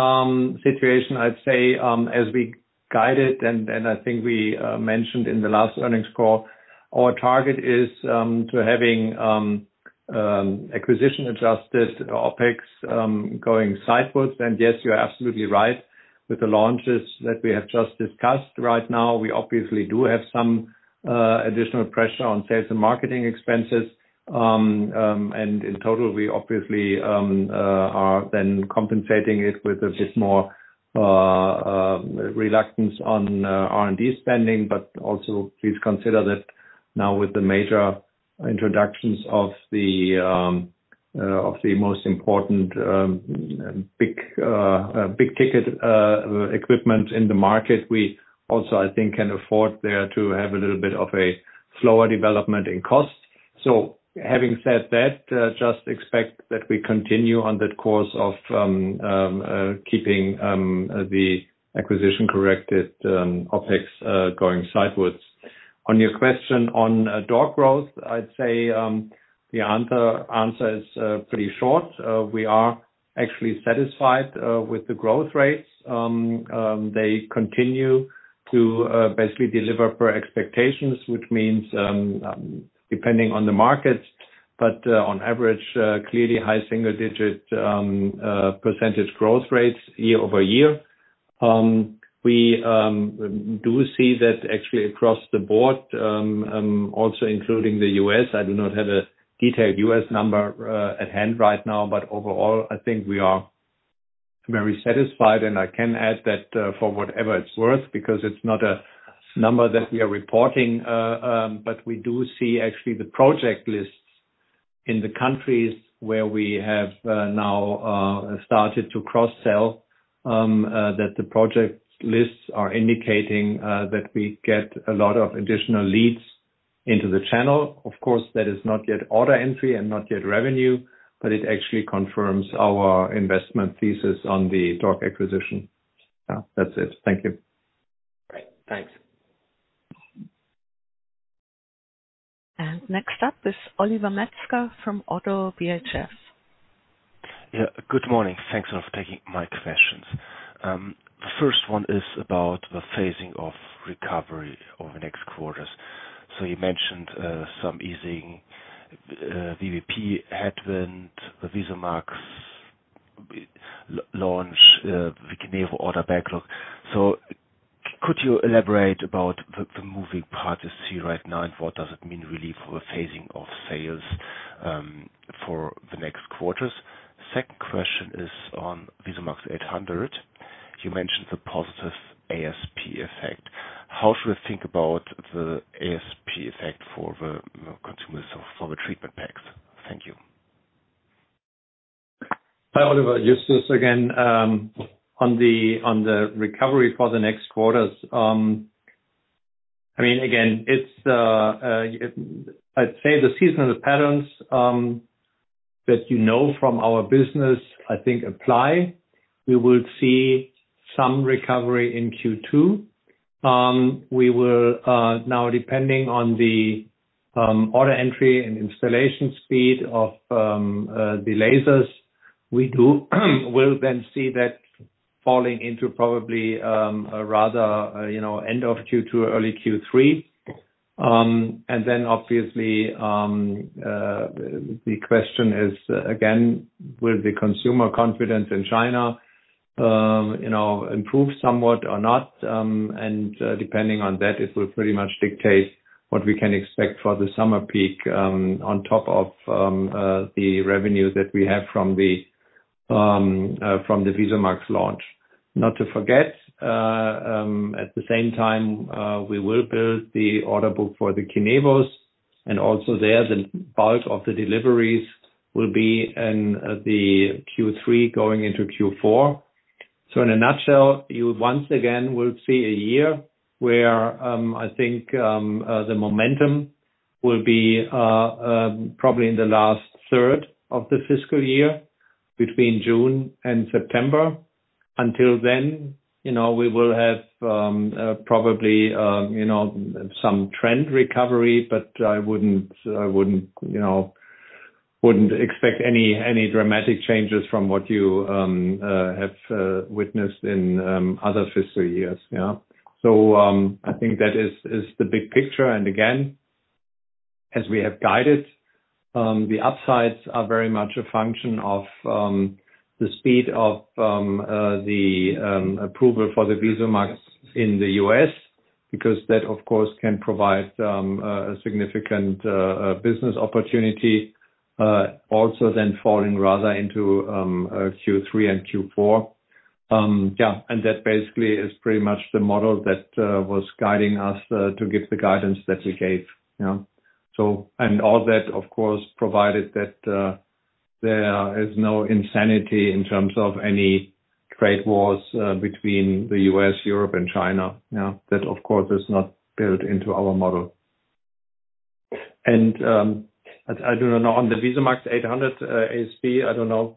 situation, I'd say as we guided and I think we mentioned in the last earnings call, our target is to having acquisition-adjusted OpEx going sidewards. And yes, you're absolutely right with the launches that we have just discussed. Right now, we obviously do have some additional pressure on sales and marketing expenses. And in total, we obviously are then compensating it with a bit more reluctance on R&D spending. But also please consider that now with the major introductions of the most important big-ticket equipment in the market, we also, I think, can afford there to have a little bit of a slower development in cost. So having said that, just expect that we continue on that course of keeping the acquisition-adjusted OpEx going sidewards. On your question on DORC growth, I'd say the answer is pretty short. We are actually satisfied with the growth rates. They continue to basically deliver per expectations, which means depending on the markets, but on average, clearly high single digit percentage growth rates year-over-year. We do see that actually across the board, also including the U.S. I do not have a detailed U.S. number at hand right now, but overall, I think we are very satisfied, and I can add that for whatever it's worth, because it's not a number that we are reporting, but we do see actually the project lists in the countries where we have now started to cross-sell that the project lists are indicating that we get a lot of additional leads into the channel. Of course, that is not yet order entry and not yet revenue, but it actually confirms our investment thesis on the DORC acquisition. That's it. Thank you. Great. Thanks. Next up is Oliver Metzger from Oddo BHF. Yeah. Good morning. Thanks for taking my questions. The first one is about the phasing of recovery over the next quarters. So you mentioned some easing VBP headwind, the VISUMAX launch, the KINEVO order backlog. So could you elaborate about the moving parts you see right now and what does it mean really for the phasing of sales for the next quarters? Second question is on VISUMAX 800. You mentioned the positive ASP effect. How should we think about the ASP effect for the consumables of all the treatment packs? Thank you. Hi, Oliver. Justus again on the recovery for the next quarters. I mean, again, it's—I'd say the seasonal patterns that you know from our business, I think, apply. We will see some recovery in Q2. We will now, depending on the order entry and installation speed of the lasers, we will then see that falling into probably a rather end of Q2, early Q3. And then obviously, the question is, again, will the consumer confidence in China improve somewhat or not? And depending on that, it will pretty much dictate what we can expect for the summer peak on top of the revenue that we have from the VISUMAX launch. Not to forget, at the same time, we will build the order book for the KINEVOs, and also there, the bulk of the deliveries will be in the Q3 going into Q4. So in a nutshell, you once again will see a year where I think the momentum will be probably in the last third of the fiscal year between June and September. Until then, we will have probably some trend recovery, but I wouldn't expect any dramatic changes from what you have witnessed in other fiscal years. Yeah. So I think that is the big picture. And again, as we have guided, the upsides are very much a function of the speed of the approval for the VISUMAX in the U.S. because that, of course, can provide a significant business opportunity also then falling rather into Q3 and Q4. Yeah. And that basically is pretty much the model that was guiding us to give the guidance that we gave. All that, of course, provided that there is no insanity in terms of any trade wars between the U.S., Europe, and China. That of course is not built into our model. I don't know on the VISUMAX 800 ASP. I don't know.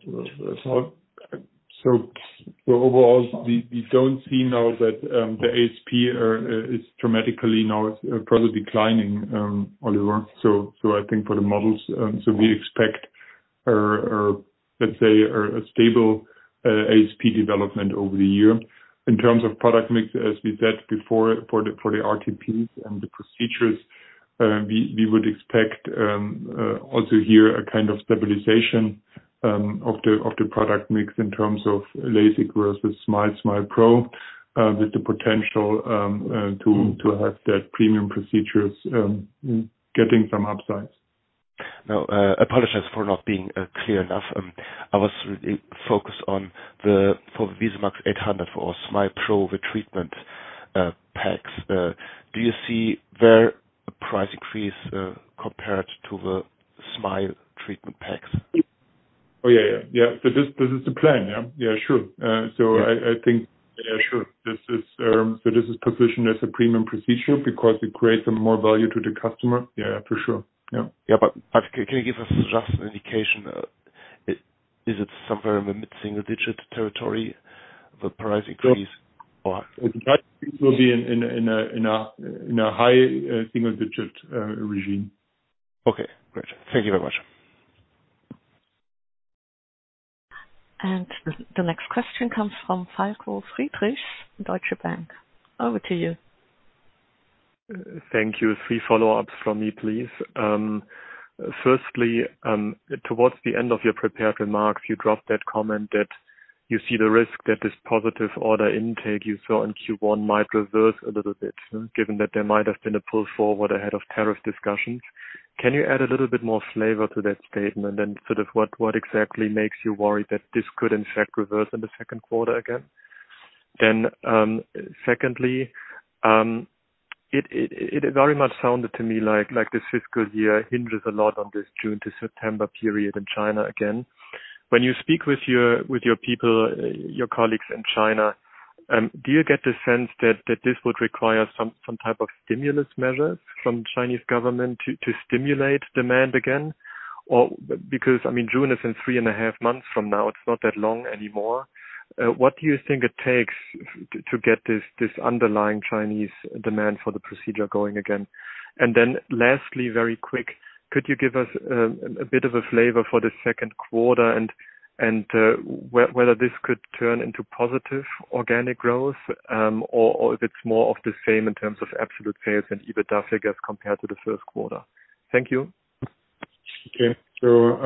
Overall, we don't see now that the ASP is dramatically now further declining, Oliver. I think for the models, so we expect, let's say, a stable ASP development over the year. In terms of product mix, as we said before for the RTPs and the procedures, we would expect also here a kind of stabilization of the product mix in terms of LASIK versus SMILE SMILE pro with the potential to have that premium procedures getting some upsides. Now, apologies for not being clear enough. I was really focused on the VISUMAX 800 for SMILE pro, the treatment packs. Do you see their price increase compared to the SMILE treatment packs? Oh, yeah, yeah. Yeah, so this is the plan. Yeah. Yeah, sure, so I think, yeah, sure, this is positioned as a premium procedure because it creates more value to the customer. Yeah, for sure. Yeah. Yeah. But can you give us just an indication? Is it somewhere in the mid-single digit territory, the price increase? The price increase will be in a high single digit regime. Okay. Great. Thank you very much. The next question comes from Falko Friedrichs, Deutsche Bank. Over to you. Thank you. Three follow-ups from me, please. Firstly, towards the end of your prepared remarks, you dropped that comment that you see the risk that this positive order intake you saw in Q1 might reverse a little bit, given that there might have been a pull forward ahead of tariff discussions. Can you add a little bit more flavor to that statement and sort of what exactly makes you worry that this could, in fact, reverse in the Q2 again? Then secondly, it very much sounded to me like this fiscal year hinges a lot on this June to September period in China again. When you speak with your people, your colleagues in China, do you get the sense that this would require some type of stimulus measures from the Chinese government to stimulate demand again? Because, I mean, June is in three and a half months from now. It's not that long anymore. What do you think it takes to get this underlying Chinese demand for the procedure going again? And then lastly, very quick, could you give us a bit of a flavor for the Q2 and whether this could turn into positive organic growth or if it's more of the same in terms of absolute sales and EBITDA, I guess, compared to the Q1? Thank you. Okay, so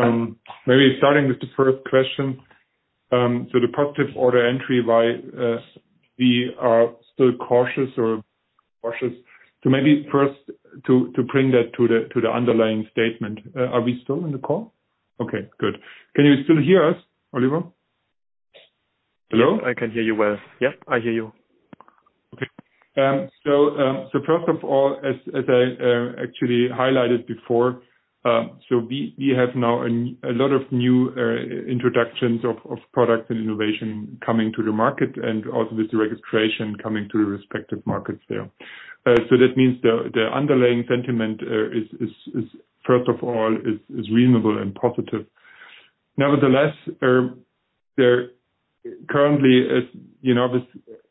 maybe starting with the first question, so the positive order entry, why we are still cautious. So maybe first to bring that to the underlying statement. Are we still on the call? Okay. Good. Can you still hear us, Oliver? Hello? I can hear you well. Yeah, I hear you. Okay, so first of all, as I actually highlighted before, so we have now a lot of new introductions of products and innovation coming to the market and also with the registration coming to the respective markets there, so that means the underlying sentiment is, first of all, reasonable and positive. Nevertheless, we currently,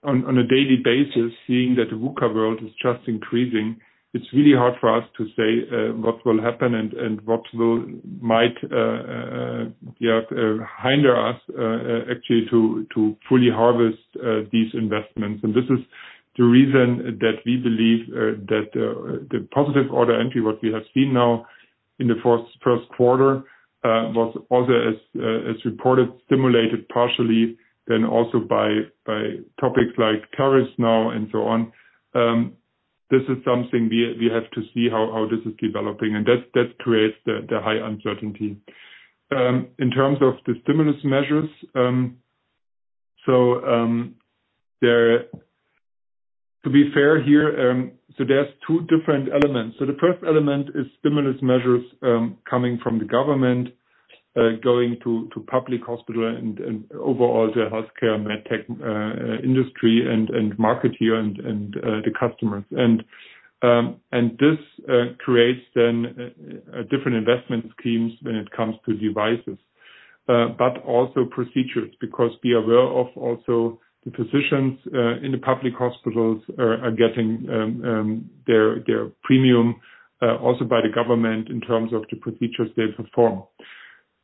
on a daily basis, see that the VUCA world is just increasing, it's really hard for us to say what will happen and what might hinder us actually to fully harvest these investments, and this is the reason that we believe that the positive order entry, what we have seen now in the Q1, was also, as reported, stimulated partially then also by topics like tariffs now and so on. This is something we have to see how this is developing, and that creates the high uncertainty. In terms of the stimulus measures, so to be fair here, so there's two different elements. So the first element is stimulus measures coming from the government, going to public hospital and overall to healthcare medtech industry and market here and the customers. And this creates then different investment schemes when it comes to devices, but also procedures because we are aware of also the physicians in the public hospitals are getting their premium also by the government in terms of the procedures they perform.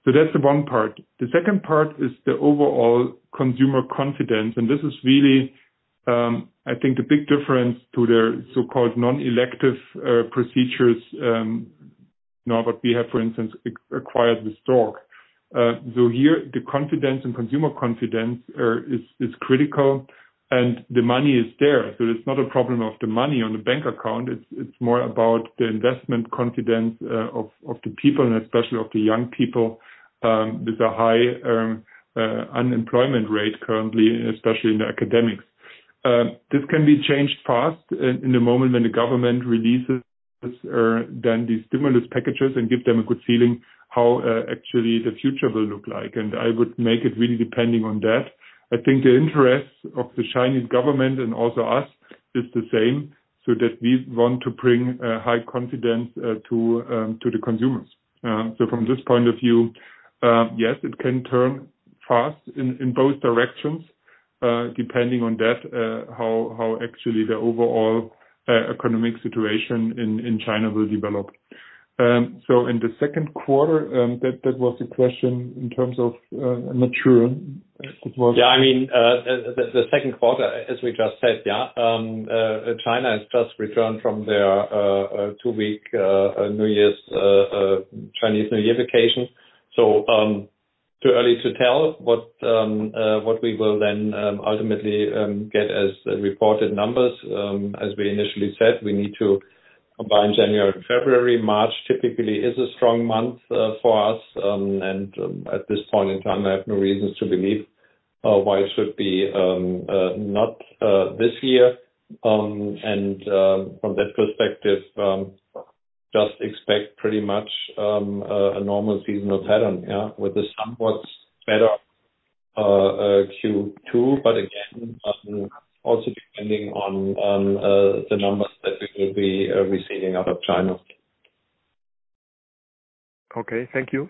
So that's the one part. The second part is the overall consumer confidence. And this is really, I think, the big difference to the so-called non-elective procedures, what we have, for instance, like cataract. So here, the confidence and consumer confidence is critical, and the money is there. So it's not a problem of the money on the bank account. It's more about the investment confidence of the people, and especially of the young people with a high unemployment rate currently, especially in the academia. This can be changed fast in the moment when the government releases then these stimulus packages and gives them a good feeling how actually the future will look like. And I would make it really depending on that. I think the interest of the Chinese government and also us is the same so that we want to bring high confidence to the consumers. So from this point of view, yes, it can turn fast in both directions depending on that, how actually the overall economic situation in China will develop. So in the Q2, that was the question in terms of maturity. It was. Yeah. I mean, the Q2, as we just said, China has just returned from their two-week New Year's Chinese New Year vacation. So too early to tell what we will then ultimately get as reported numbers. As we initially said, we need to combine January and February. March typically is a strong month for us. And at this point in time, I have no reasons to believe why it should be not this year. And from that perspective, just expect pretty much a normal seasonal pattern with a somewhat better Q2, but again, also depending on the numbers that we will be receiving out of China. Okay. Thank you.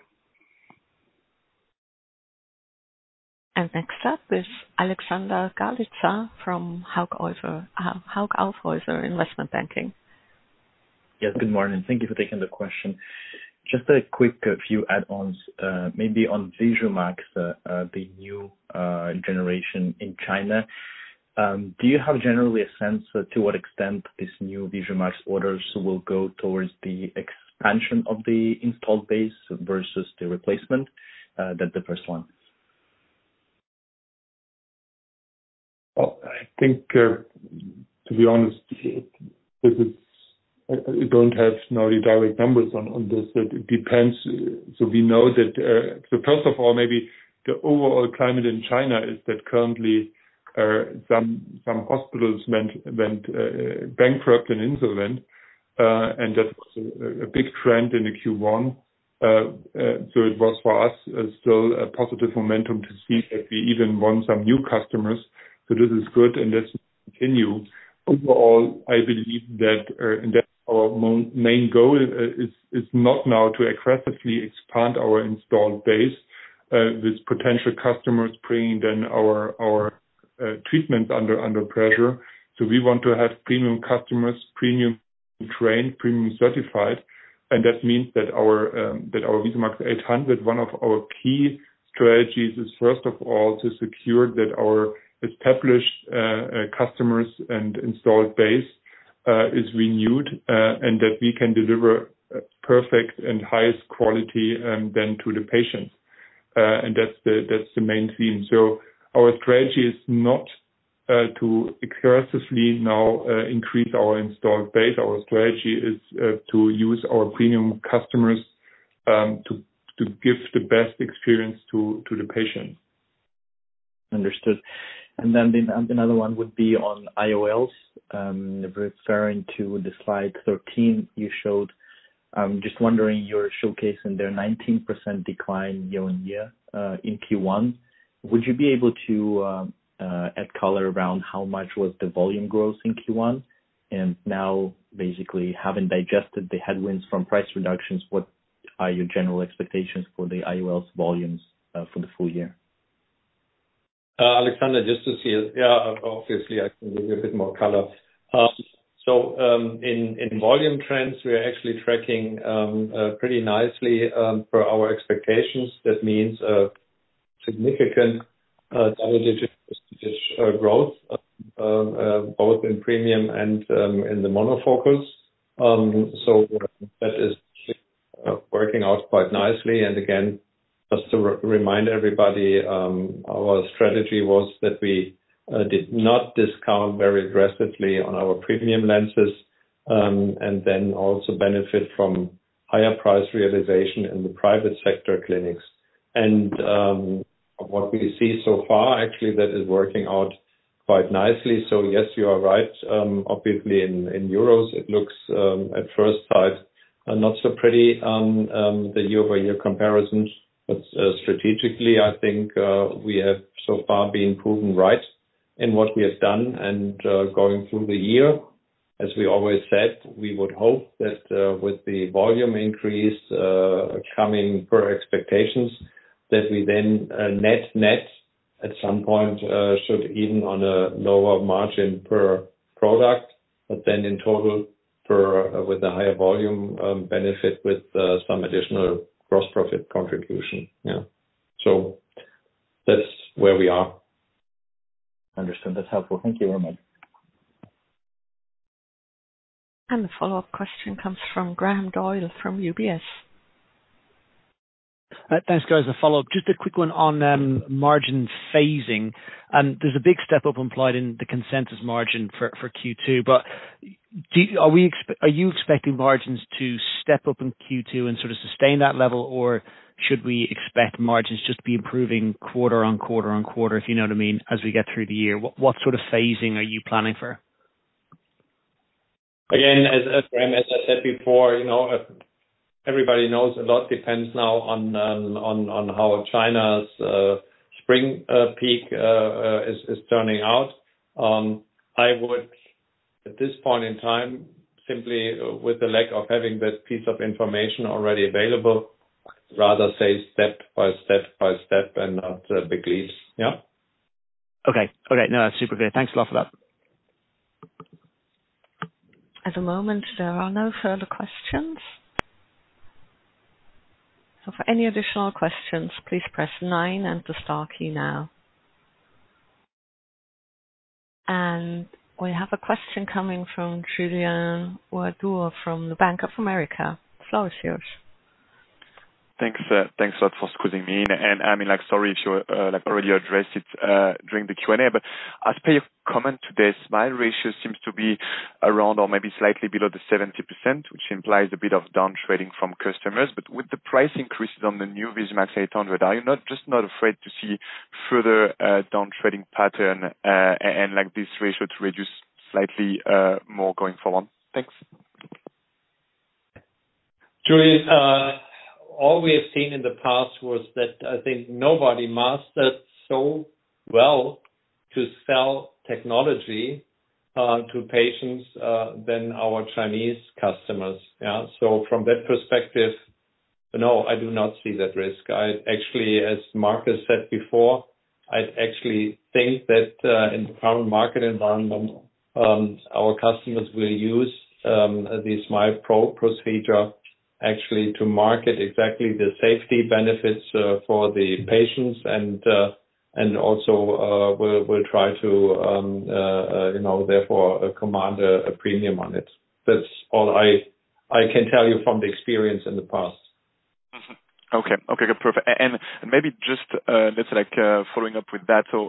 Next up is Alexander Galitsa from Hauck Aufhäuser Investment Banking. Yes. Good morning. Thank you for taking the question. Just a quick few add-ons, maybe on VISUMAX, the new generation in China. Do you have generally a sense to what extent this new VISUMAX orders will go towards the expansion of the installed base versus the replacement than the first one? I think, to be honest, we don't have now the direct numbers on this. It depends. So we know that, first of all, maybe the overall climate in China is that currently some hospitals went bankrupt and insolvent. And that was a big trend in Q1. So it was for us still a positive momentum to see that we even won some new customers. So this is good, and this will continue. Overall, I believe that our main goal is not now to aggressively expand our installed base with potential customers bringing then our treatments under pressure. So we want to have premium customers, premium trained, premium certified. And that means that our VISUMAX 800, one of our key strategies is, first of all, to secure that our established customers and installed base is renewed and that we can deliver perfect and highest quality then to the patients. That's the main theme. Our strategy is not to aggressively now increase our installed base. Our strategy is to use our premium customers to give the best experience to the patients. Understood. And then the another one would be on IOLs, referring to the slide 13 you showed. Just wondering, you're showcasing their 19% decline year on year in Q1. Would you be able to add color around how much was the volume growth in Q1? And now, basically, having digested the headwinds from price reductions, what are your general expectations for the IOLs volumes for the full year? Alexander, Justus here. Yeah, obviously, I can give you a bit more color. So in volume trends, we are actually tracking pretty nicely for our expectations. That means significant double-digit growth both in premium and in the monofocal. So that is working out quite nicely. And again, just to remind everybody, our strategy was that we did not discount very aggressively on our premium lenses and then also benefit from higher price realization in the private sector clinics. And what we see so far, actually, that is working out quite nicely. So yes, you are right. Obviously, in euros, it looks at first sight not so pretty, the year-over-year comparisons. But strategically, I think we have so far been proven right in what we have done. And going through the year, as we always said, we would hope that with the volume increase coming per expectations, that we then net-net at some point should even on a lower margin per product, but then in total with a higher volume benefit with some additional gross profit contribution. Yeah. So that's where we are. Understood. That's helpful. Thank you very much. The follow-up question comes from Graham Doyle from UBS. Thanks, guys. A follow-up. Just a quick one on margin phasing. There's a big step up implied in the consensus margin for Q2. But are you expecting margins to step up in Q2 and sort of sustain that level, or should we expect margins just to be improving quarter-on-quarter-on-quarter, if you know what I mean, as we get through the year? What sort of phasing are you planning for? Again, as Graham, as I said before, everybody knows a lot depends now on how China's spring peak is turning out. I would, at this point in time, simply with the lack of having that piece of information already available, rather say step by step by step and not big leaps. Yeah. Okay. Okay. No, that's super clear. Thanks a lot for that. At the moment, there are no further questions. So for any additional questions, please press 9 and star, and we have a question coming from Julien Ouaddour from the Bank of America. Floor is yours. Thanks, Sir. Thanks a lot for squeezing me in. And I mean, sorry if you already addressed it during the Q&A, but as per your comment today, SMILE ratio seems to be around or maybe slightly below the 70%, which implies a bit of downtrading from customers. But with the price increases on the new VISUMAX 800, are you just not afraid to see further downtrading pattern and this ratio to reduce slightly more going forward? Thanks. Julien, all we have seen in the past was that I think nobody mastered so well to sell technology to patients than our Chinese customers. Yeah. So from that perspective, no, I do not see that risk. Actually, as Markus said before, I actually think that in the current market environment, our customers will use the SMILE Pro procedure actually to market exactly the safety benefits for the patients and also will try to therefore command a premium on it. That's all I can tell you from the experience in the past. Okay. Okay. Perfect. And maybe just following up with that, so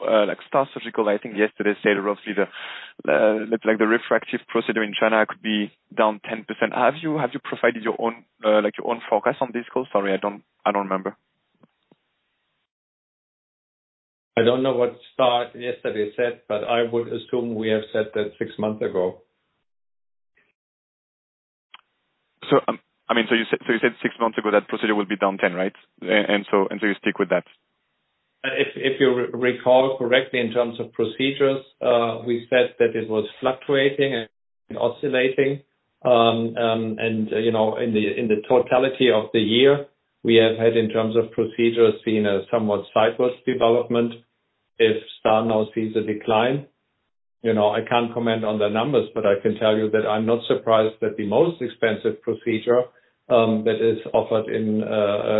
STAAR Surgical, I think yesterday said roughly that the refractive procedure in China could be down 10%. Have you provided your own forecast on this call? Sorry, I don't remember. I don't know what STAAR yesterday said, but I would assume we have said that six months ago. So I mean, so you said six months ago that procedure will be down 10%, right? And so you stick with that? If you recall correctly in terms of procedures, we said that it was fluctuating and oscillating. And in the totality of the year, we have had in terms of procedures seen a somewhat sideways development. If STAAR now sees a decline, I can't comment on the numbers, but I can tell you that I'm not surprised that the most expensive procedure that is offered in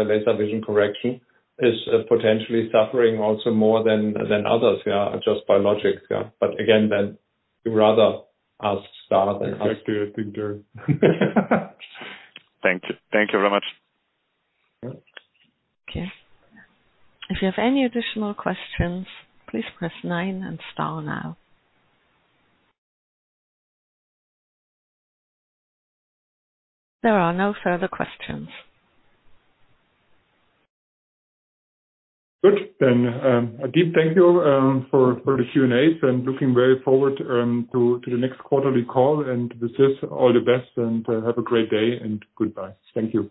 laser vision correction is potentially suffering also more than others, yeah, just by logic. Yeah. But again, then you rather ask STAAR than us. Exactly. I think so. Thank you very much. Okay. If you have any additional questions, please press 9 and star now. There are no further questions. Good. Then, a deep thank you for the Q&As and looking very forward to the next quarterly call. And with this, all the best and have a great day and goodbye. Thank you.